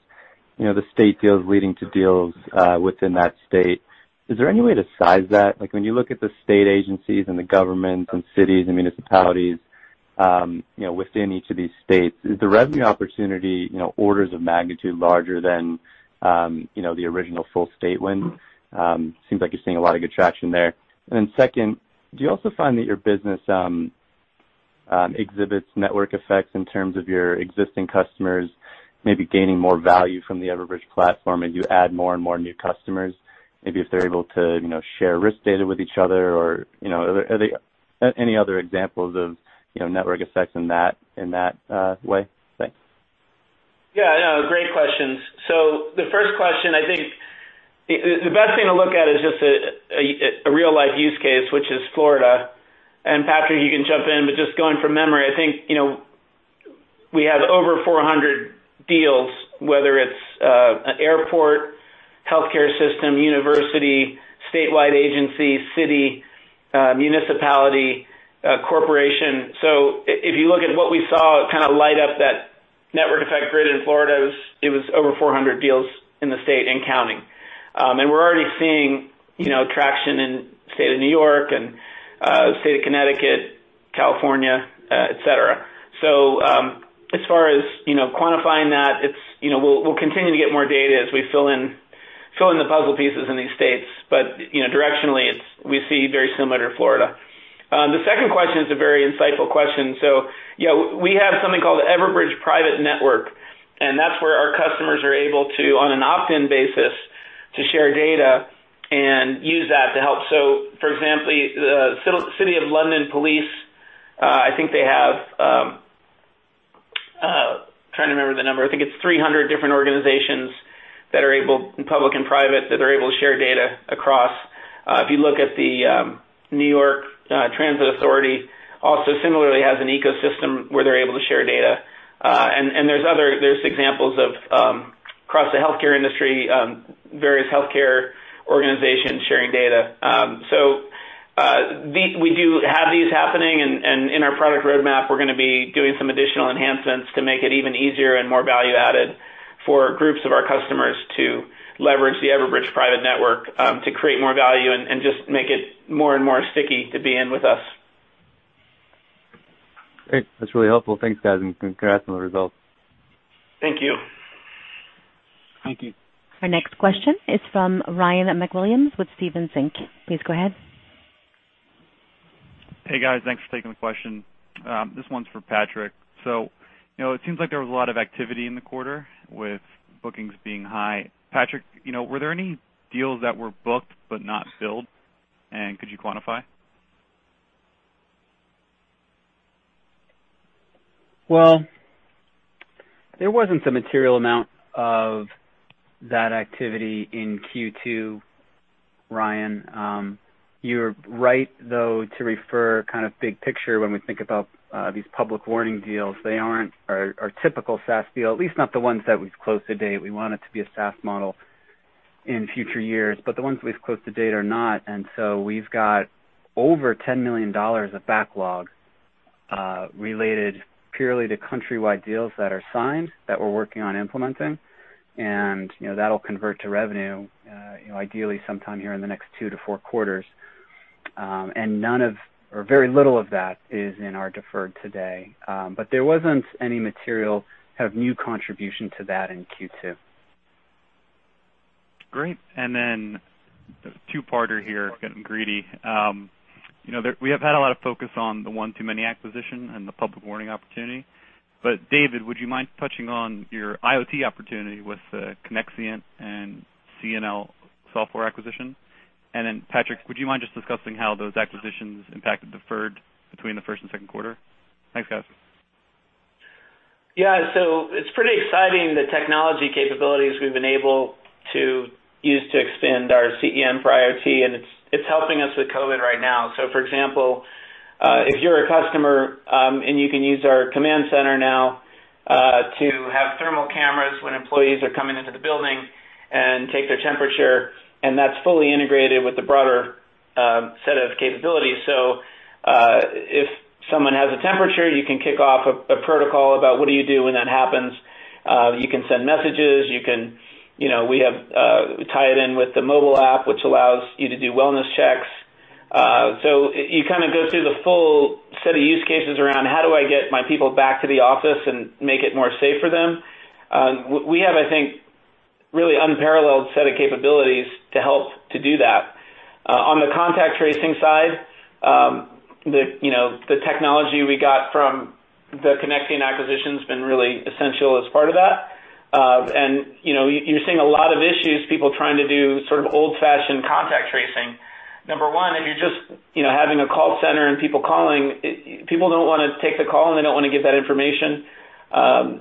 the state deals leading to deals within that state. Is there any way to size that? Like when you look at the state agencies and the governments and cities and municipalities within each of these states, is the revenue opportunity orders of magnitude larger than the original full state win? Seems like you're seeing a lot of good traction there. Second, do you also find that your business exhibits network effects in terms of your existing customers maybe gaining more value from the Everbridge platform as you add more and more new customers, maybe if they're able to share risk data with each other? Are there any other examples of network effects in that way? Thanks. Yeah. No, great questions. The first question, I think the best thing to look at is just a real-life use case, which is Florida. Patrick, you can jump in, but just going from memory, I think deals, whether it's an airport, healthcare system, university, statewide agency, city, municipality, corporation. If you look at what we saw light up that network effect grid in Florida, it was over 400 deals in the state and counting. We're already seeing traction in the state of New York and the state of Connecticut, California, et cetera. As far as quantifying that, we'll continue to get more data as we fill in the puzzle pieces in these states. Directionally, we see very similar to Florida. The second question is a very insightful question. Yeah, we have something called Everbridge Private Network, and that's where our customers are able to, on an opt-in basis, to share data and use that to help. For example, the City of London Police, I'm trying to remember the number. I think it's 300 different organizations, public and private, that are able to share data across. If you look at the New York Transit Authority, also similarly has an ecosystem where they're able to share data. There's examples across the healthcare industry, various healthcare organizations sharing data. We do have these happening, and in our product roadmap, we're going to be doing some additional enhancements to make it even easier and more value-added for groups of our customers to leverage the Everbridge Private Network to create more value and just make it more and more sticky to be in with us. Great. That's really helpful. Thanks, guys, and congrats on the results. Thank you. Thank you. Our next question is from Ryan MacWilliams with Stephens. Please go ahead. Hey, guys. Thanks for taking the question. This one's for Patrick. It seems like there was a lot of activity in the quarter with bookings being high. Patrick, were there any deals that were booked but not billed, and could you quantify? Well, there wasn't a material amount of that activity in Q2, Ryan. You're right, though, to refer big picture when we think about these public warning deals. They aren't our typical SaaS deal, at least not the ones that we've closed to date. We want it to be a SaaS model in future years, but the ones that we've closed to date are not. We've got over $10 million of backlog related purely to countrywide deals that are signed that we're working on implementing, and that'll convert to revenue, ideally sometime here in the next two to four quarters. None of, or very little of that is in our deferred today. There wasn't any material new contribution to that in Q2. Great. A two-parter here, getting greedy. We have had a lot of focus on the one2many acquisition and the public warning opportunity. David, would you mind touching on your IoT opportunity with Connexient and CNL Software acquisition? Patrick, would you mind just discussing how those acquisitions impacted deferred between the first and second quarter? Thanks, guys. Yeah. It's pretty exciting, the technology capabilities we've been able to use to extend our CEM for IoT, and it's helping us with COVID right now. For example, if you're a customer, and you can use our Control Center now, to have thermal cameras when employees are coming into the building and take their temperature, and that's fully integrated with the broader set of capabilities. If someone has a temperature, you can kick off a protocol about what do you do when that happens. You can send messages. We tie it in with the mobile app, which allows you to do wellness checks. You go through the full set of use cases around how do I get my people back to the office and make it more safe for them? We have, I think, really unparalleled set of capabilities to help to do that. On the contact tracing side, the technology we got from the Connexient acquisition's been really essential as part of that. You're seeing a lot of issues, people trying to do old-fashioned contact tracing. Number one, if you're just having a call center and people calling, people don't want to take the call, and they don't want to give that information.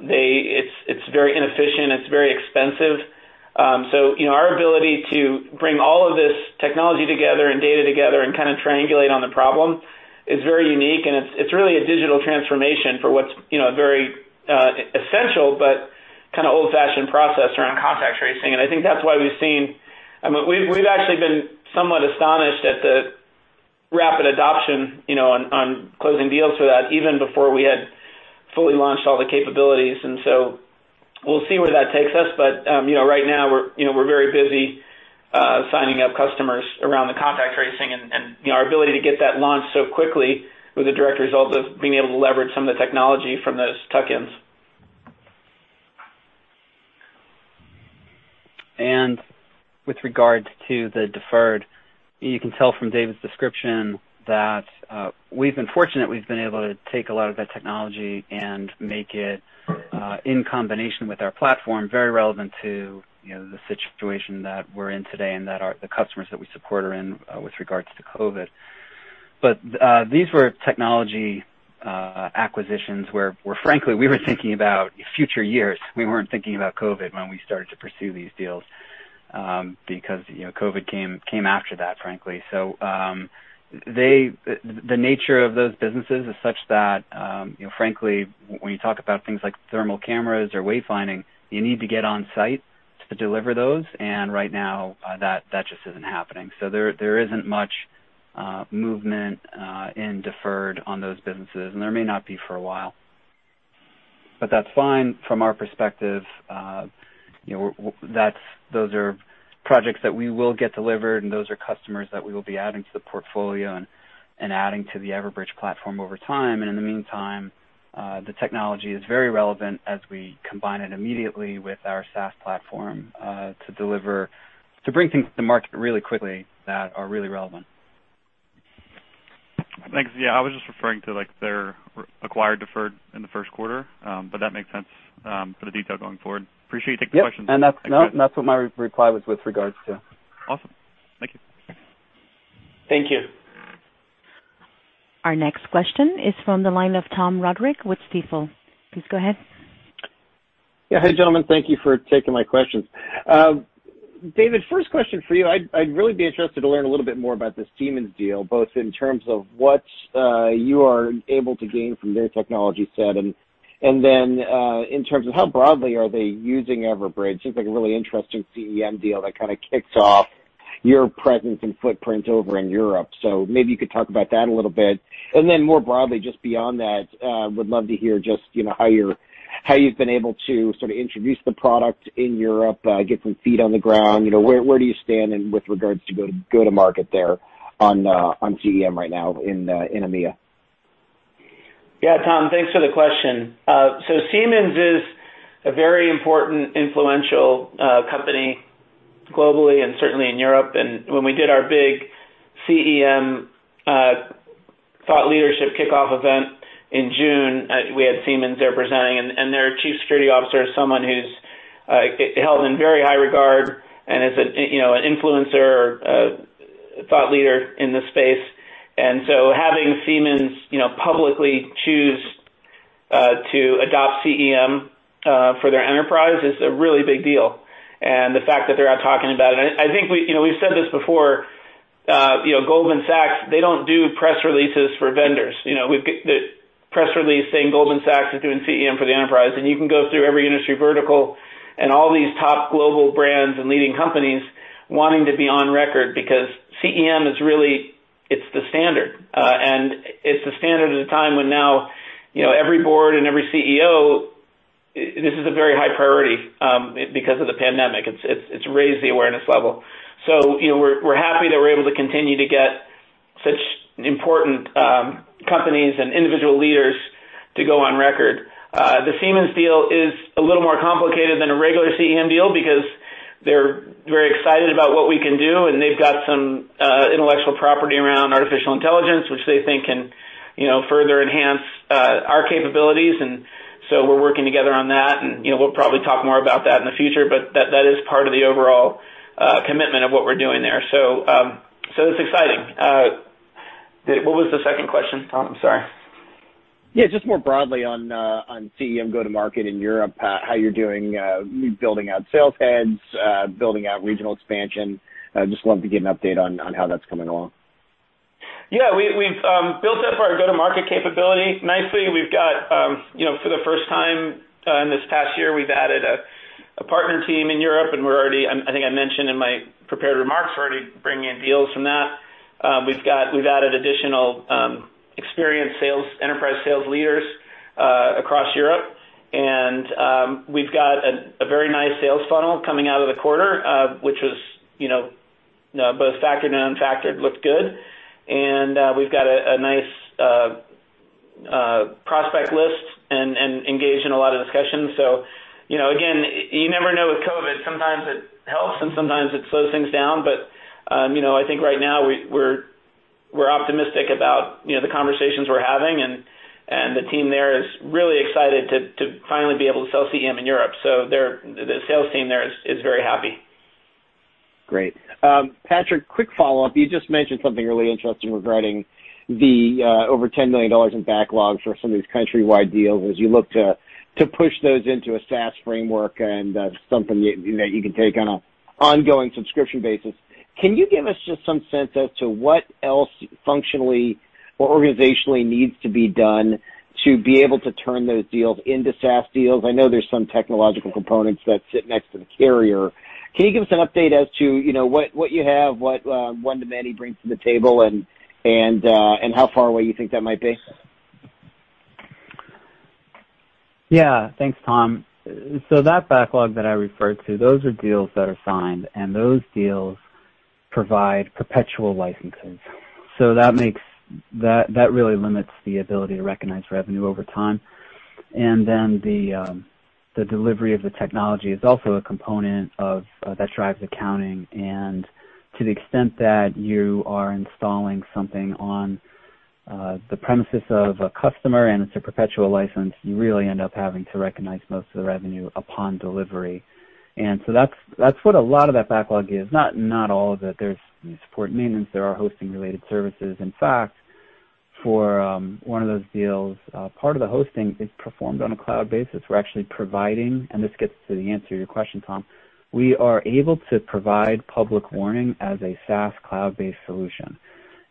It's very inefficient. It's very expensive. Our ability to bring all of this technology together and data together and triangulate on the problem is very unique, and it's really a digital transformation for what's very essential but old-fashioned process around contact tracing. I think that's why we've seen. We've actually been somewhat astonished at the rapid adoption on closing deals for that, even before we had fully launched all the capabilities. We'll see where that takes us. Right now, we're very busy signing up customers around the contact tracing and our ability to get that launched so quickly was a direct result of being able to leverage some of the technology from those tuck-ins. With regard to the deferred, you can tell from David's description that we've been fortunate. We've been able to take a lot of that technology and make it, in combination with our platform, very relevant to the situation that we're in today and that the customers that we support are in with regards to COVID. These were technology acquisitions where, frankly, we were thinking about future years. We weren't thinking about COVID when we started to pursue these deals. COVID came after that, frankly. The nature of those businesses is such that, frankly, when you talk about things like thermal cameras or wayfinding, you need to get on site to deliver those, and right now, that just isn't happening. There isn't much movement in deferred on those businesses, and there may not be for a while. That's fine from our perspective. Those are projects that we will get delivered, and those are customers that we will be adding to the portfolio and adding to the Everbridge platform over time. In the meantime, the technology is very relevant as we combine it immediately with our SaaS platform, to bring things to the market really quickly that are really relevant. Thanks. Yeah, I was just referring to their acquired deferred in the first quarter, but that makes sense for the detail going forward. Appreciate you taking the question. Yep. That's what my reply was with regards to. Awesome. Thank you. Thanks. Our next question is from the line of Tom Roderick with Stifel. Please go ahead. Yeah. Hey, gentlemen. Thank you for taking my questions. David, first question for you. I'd really be interested to learn a little bit more about this Siemens deal, both in terms of what you are able to gain from their technology set, and then in terms of how broadly are they using Everbridge? Seems like a really interesting CEM deal that kind of kicks off your presence and footprint over in Europe. Maybe you could talk about that a little bit. More broadly, just beyond that, would love to hear just how you've been able to sort of introduce the product in Europe, get some feet on the ground. Where do you stand in with regards to go-to-market there on CEM right now in EMEA? Tom, thanks for the question. Siemens is a very important influential company globally and certainly in Europe. When we did our big CEM thought leadership kickoff event in June, we had Siemens there presenting, and their Chief Security Officer is someone who's held in very high regard and is an influencer, a thought leader in this space. Having Siemens publicly choose to adopt CEM for their enterprise is a really big deal and the fact that they're out talking about it. I think we've said this before, Goldman Sachs, they don't do press releases for vendors. The press release saying Goldman Sachs is doing CEM for the enterprise, and you can go through every industry vertical and all these top global brands and leading companies wanting to be on record because CEM is really the standard. It's the standard at a time when now every board and every CEO, this is a very high priority because of the pandemic. It's raised the awareness level. We're happy that we're able to continue to get such important companies and individual leaders to go on record. The Siemens deal is a little more complicated than a regular CEM deal because they're very excited about what we can do, and they've got some intellectual property around artificial intelligence, which they think can further enhance our capabilities. We're working together on that, and we'll probably talk more about that in the future. That is part of the overall commitment of what we're doing there. It's exciting. What was the second question, Tom? I'm sorry. Yeah, just more broadly on CEM go-to-market in Europe, how you're doing building out sales heads, building out regional expansion. Just love to get an update on how that's coming along. Yeah, we've built up our go-to-market capability nicely. For the first time in this past year, we've added a partner team in Europe, and we're already, I think I mentioned in my prepared remarks, we're already bringing in deals from that. We've added additional experienced enterprise sales leaders across Europe. We've got a very nice sales funnel coming out of the quarter, which was both factored and unfactored, looked good. We've got a nice prospect list and engaged in a lot of discussions. Again, you never know with COVID. Sometimes it helps, and sometimes it slows things down. I think right now we're optimistic about the conversations we're having, and the team there is really excited to finally be able to sell CEM in Europe. The sales team there is very happy. Great. Patrick, quick follow-up. You just mentioned something really interesting regarding the over $10 million in backlogs for some of these countrywide deals as you look to push those into a SaaS framework and something that you can take on an ongoing subscription basis. Can you give us just some sense as to what else functionally or organizationally needs to be done to be able to turn those deals into SaaS deals? I know there's some technological components that sit next to the carrier. Can you give us an update as to what you have, what one2many brings to the table, and how far away you think that might be? Thanks, Tom. That backlog that I referred to, those are deals that are signed, and those deals provide perpetual licenses. That really limits the ability to recognize revenue over time. The delivery of the technology is also a component that drives accounting. To the extent that you are installing something on the premises of a customer and it's a perpetual license, you really end up having to recognize most of the revenue upon delivery. That's what a lot of that backlog is. Not all of it. There's support and maintenance. There are hosting-related services. In fact, for one of those deals, part of the hosting is performed on a cloud basis. We're actually providing, and this gets to the answer your question, Tom, we are able to provide public warning as a SaaS cloud-based solution.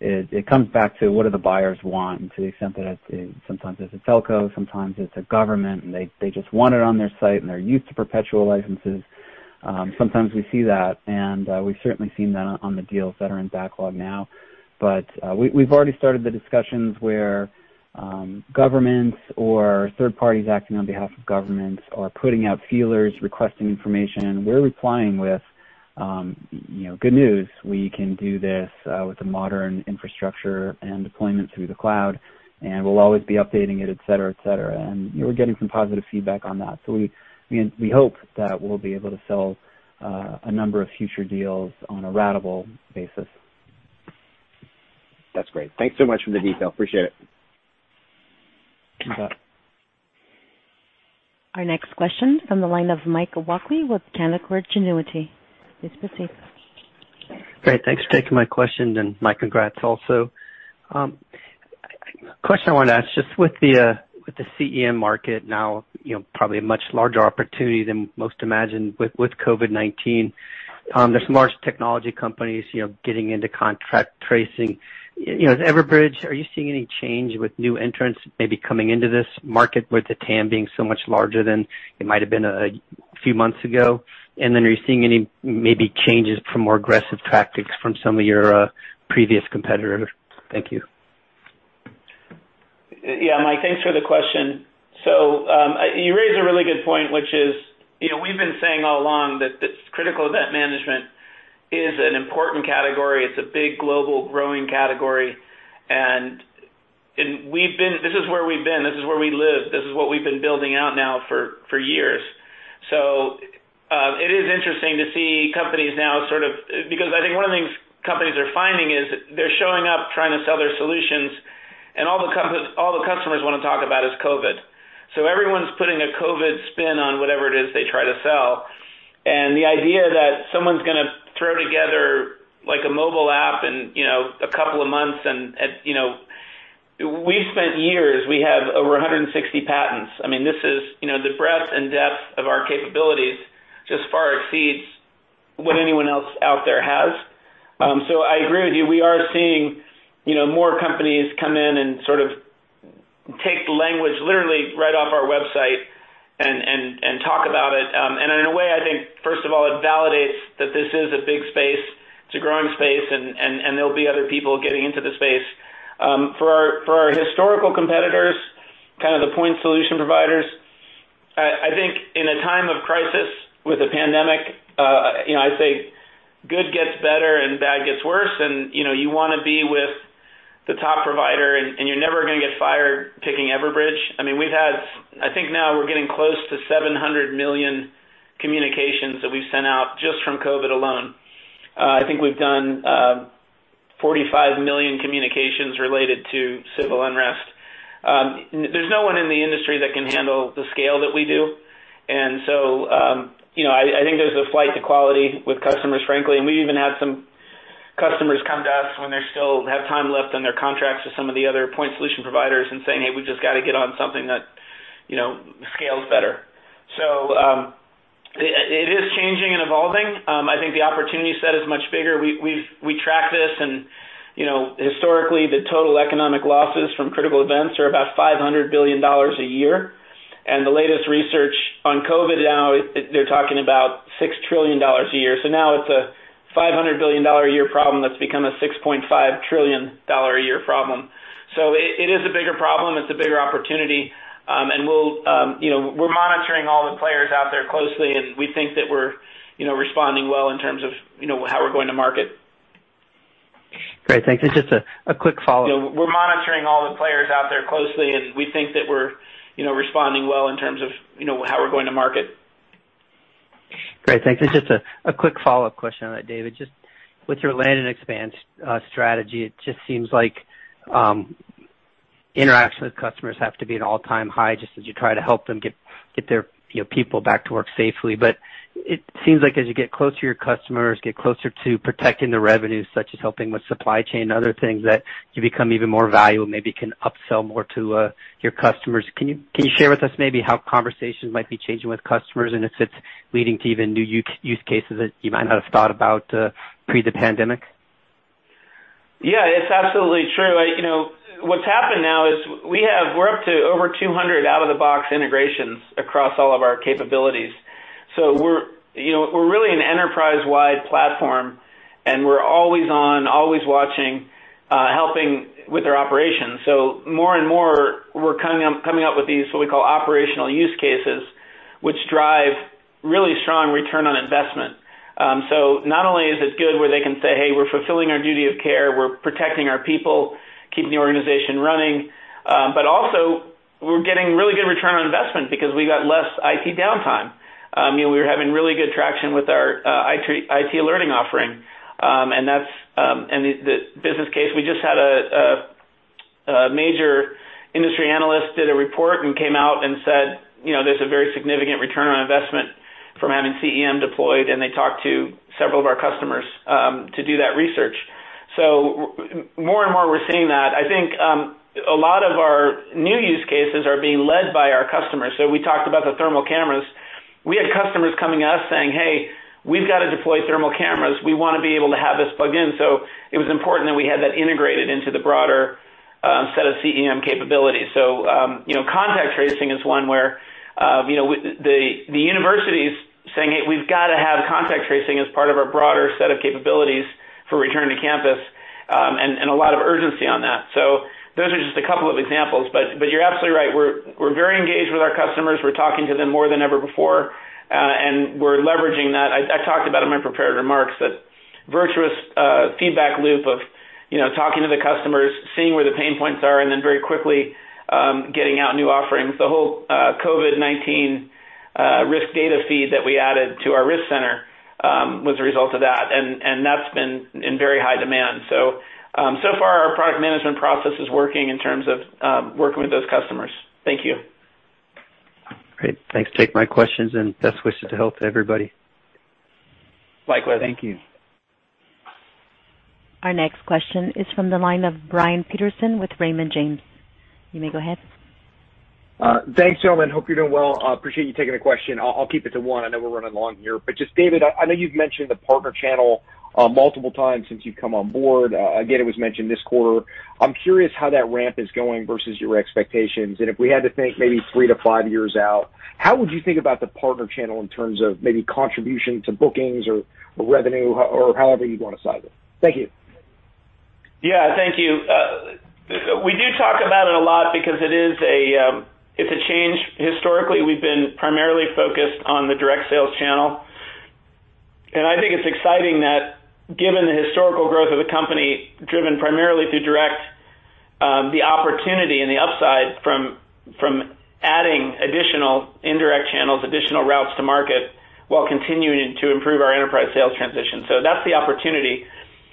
It comes back to what do the buyers want, to the extent that sometimes it's a telco, sometimes it's a government, and they just want it on their site, and they're used to perpetual licenses. Sometimes we see that, we've certainly seen that on the deals that are in backlog now. We've already started the discussions where governments or third parties acting on behalf of governments are putting out feelers, requesting information. We're replying with, good news. We can do this with a modern infrastructure and deployment through the cloud, we'll always be updating it, et cetera. We're getting some positive feedback on that. We hope that we'll be able to sell a number of future deals on a ratable basis. That's great. Thanks so much for the detail. Appreciate it. You bet. Our next question from the line of Mike Walkley with Canaccord Genuity. Please proceed. Great. Thanks for taking my question and my congrats also. Question I wanted to ask, just with the CEM market now probably a much larger opportunity than most imagined with COVID-19. There's large technology companies getting into contract tracing. Everbridge, are you seeing any change with new entrants maybe coming into this market with the TAM being so much larger than it might have been a few months ago? Are you seeing any maybe changes from more aggressive tactics from some of your previous competitors? Thank you. Yeah, Mike, thanks for the question. You raise a really good point, which is, we've been saying all along that this critical event management is an important category. It's a big global growing category, and this is where we've been. This is where we live. This is what we've been building out now for years. It is interesting to see companies now because I think one of the things companies are finding is they're showing up trying to sell their solutions, and all the customers want to talk about is COVID. Everyone's putting a COVID spin on whatever it is they try to sell. The idea that someone's going to throw together a mobile app in a couple of months. We've spent years. We have over 160 patents. I mean, the breadth and depth of our capabilities just far exceeds what anyone else out there has. I agree with you. We are seeing more companies come in and sort of take the language literally right off our website and talk about it. In a way, I think, first of all, it validates that this is a big space. It's a growing space, and there'll be other people getting into the space. For our historical competitors, kind of the point solution providers, I think in a time of crisis with a pandemic, I say good gets better and bad gets worse, and you want to be with the top provider, and you're never gonna get fired picking Everbridge. I think now we're getting close to 700 million communications that we've sent out just from COVID-19 alone. I think we've done 45 million communications related to civil unrest. There's no one in the industry that can handle the scale that we do. I think there's a flight to quality with customers, frankly. We even had some customers come to us when they still have time left on their contracts with some of the other point solution providers and saying, "Hey, we've just got to get on something that scales better." It is changing and evolving. I think the opportunity set is much bigger. We track this historically, the total economic losses from critical events are about $500 billion a year. The latest research on COVID now, they're talking about $6 trillion a year. Now it's a $500 billion a year problem that's become a $6.5 trillion a year problem. It is a bigger problem. It's a bigger opportunity. We're monitoring all the players out there closely, and we think that we're responding well in terms of how we're going to market. Great. Thanks. Just a quick follow-up. We're monitoring all the players out there closely, and we think that we're responding well in terms of how we're going to market. Great. Thanks. Just a quick follow-up question on that, David. Just with your land and expand strategy, it just seems like interaction with customers have to be at an all-time high just as you try to help them get their people back to work safely. It seems like as you get closer to your customers, get closer to protecting the revenues, such as helping with supply chain and other things, that you become even more valuable, maybe can upsell more to your customers. Can you share with us maybe how conversations might be changing with customers and if it's leading to even new use cases that you might not have thought about pre the pandemic? It's absolutely true. What's happened now is we're up to over 200 out-of-the-box integrations across all of our capabilities. We're really an enterprise-wide platform, and we're always on, always watching, helping with their operations. More and more, we're coming up with these what we call operational use cases, which drive really strong return on investment. Not only is it good where they can say, "Hey, we're fulfilling our duty of care. We're protecting our people, keeping the organization running." Also, we're getting really good return on investment because we got less IT downtime. We're having really good traction with our IT alerting offering. The business case, we just had a major report and came out and said, "There's a very significant return on investment from having CEM deployed," and they talked to several of our customers to do that research. More and more we're seeing that. I think a lot of our new use cases are being led by our customers. We talked about the thermal cameras. We had customers coming to us saying, "Hey, we've got to deploy thermal cameras. We want to be able to have this plug in." It was important that we had that integrated into the broader set of CEM capabilities. Contact tracing is one where the university's saying, "Hey, we've got to have contact tracing as part of our broader set of capabilities for return to campus," and a lot of urgency on that. Those are just a couple of examples, but you're absolutely right. We're very engaged with our customers. We're talking to them more than ever before, and we're leveraging that. I talked about in my prepared remarks, that virtuous feedback loop of talking to the customers, seeing where the pain points are, and then very quickly, getting out new offerings. The whole COVID-19 risk data feed that we added to our risk center, was a result of that, and that's been in very high demand. So far our product management process is working in terms of working with those customers. Thank you. Great. Thanks. Take my questions and best wishes to help everybody. Likewise. Thank you. Our next question is from the line of Brian Peterson with Raymond James. You may go ahead. Thanks, gentlemen. Hope you're doing well. I appreciate you taking the question. I'll keep it to one. I know we're running long here. Just, David, I know you've mentioned the partner channel multiple times since you've come on board. Again, it was mentioned this quarter. I'm curious how that ramp is going versus your expectations, and if we had to think maybe three to five years out, how would you think about the partner channel in terms of maybe contribution to bookings or revenue or however you'd want to size it? Thank you. Yeah. Thank you. We do talk about it a lot because it's a change. Historically, we've been primarily focused on the direct sales channel. I think it's exciting that given the historical growth of the company, driven primarily through direct, the opportunity and the upside from adding additional indirect channels, additional routes to market, while continuing to improve our enterprise sales transition. That's the opportunity.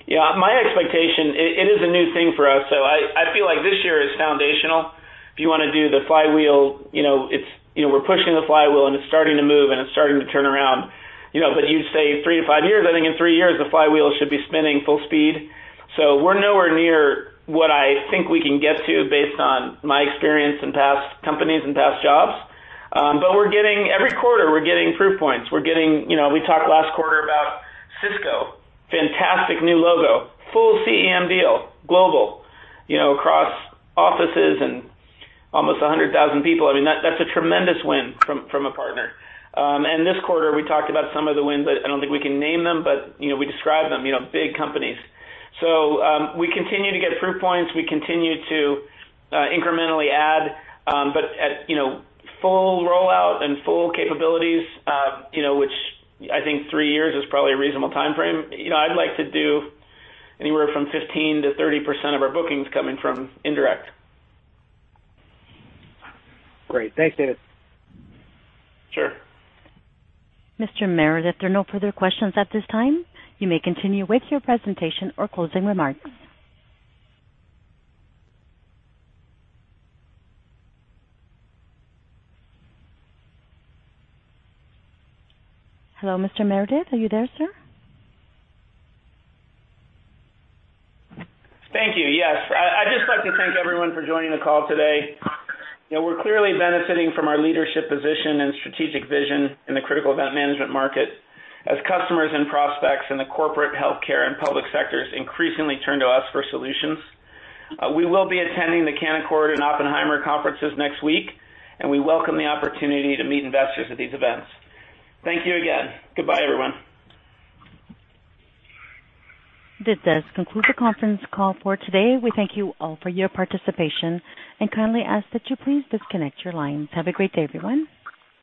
My expectation, it is a new thing for us, so I feel like this year is foundational. If you want to do the flywheel, we're pushing the flywheel, and it's starting to move, and it's starting to turn around. You say 3-5 years, I think in three years, the flywheel should be spinning full speed. We're nowhere near what I think we can get to based on my experience in past companies and past jobs. Every quarter, we're getting proof points. We talked last quarter about Cisco, fantastic new logo, full CEM deal, global, across offices and almost 100,000 people. That's a tremendous win from a partner. This quarter, we talked about some of the wins, I don't think we can name them, but we described them, big companies. We continue to get proof points. We continue to incrementally add, but at full rollout and full capabilities, which I think three years is probably a reasonable timeframe, I'd like to do anywhere from 15% to 30% of our bookings coming from indirect. Great. Thanks, David. Sure. Mr. Meredith, if there are no further questions at this time, you may continue with your presentation or closing remarks. Hello, Mr. Meredith, are you there, sir? Thank you. Yes. I'd just like to thank everyone for joining the call today. We're clearly benefiting from our leadership position and strategic vision in the critical event management market as customers and prospects in the corporate, healthcare, and public sectors increasingly turn to us for solutions. We will be attending the Canaccord and Oppenheimer conferences next week. We welcome the opportunity to meet investors at these events. Thank you again. Goodbye, everyone. This does conclude the conference call for today. We thank you all for your participation and kindly ask that you please disconnect your lines. Have a great day, everyone.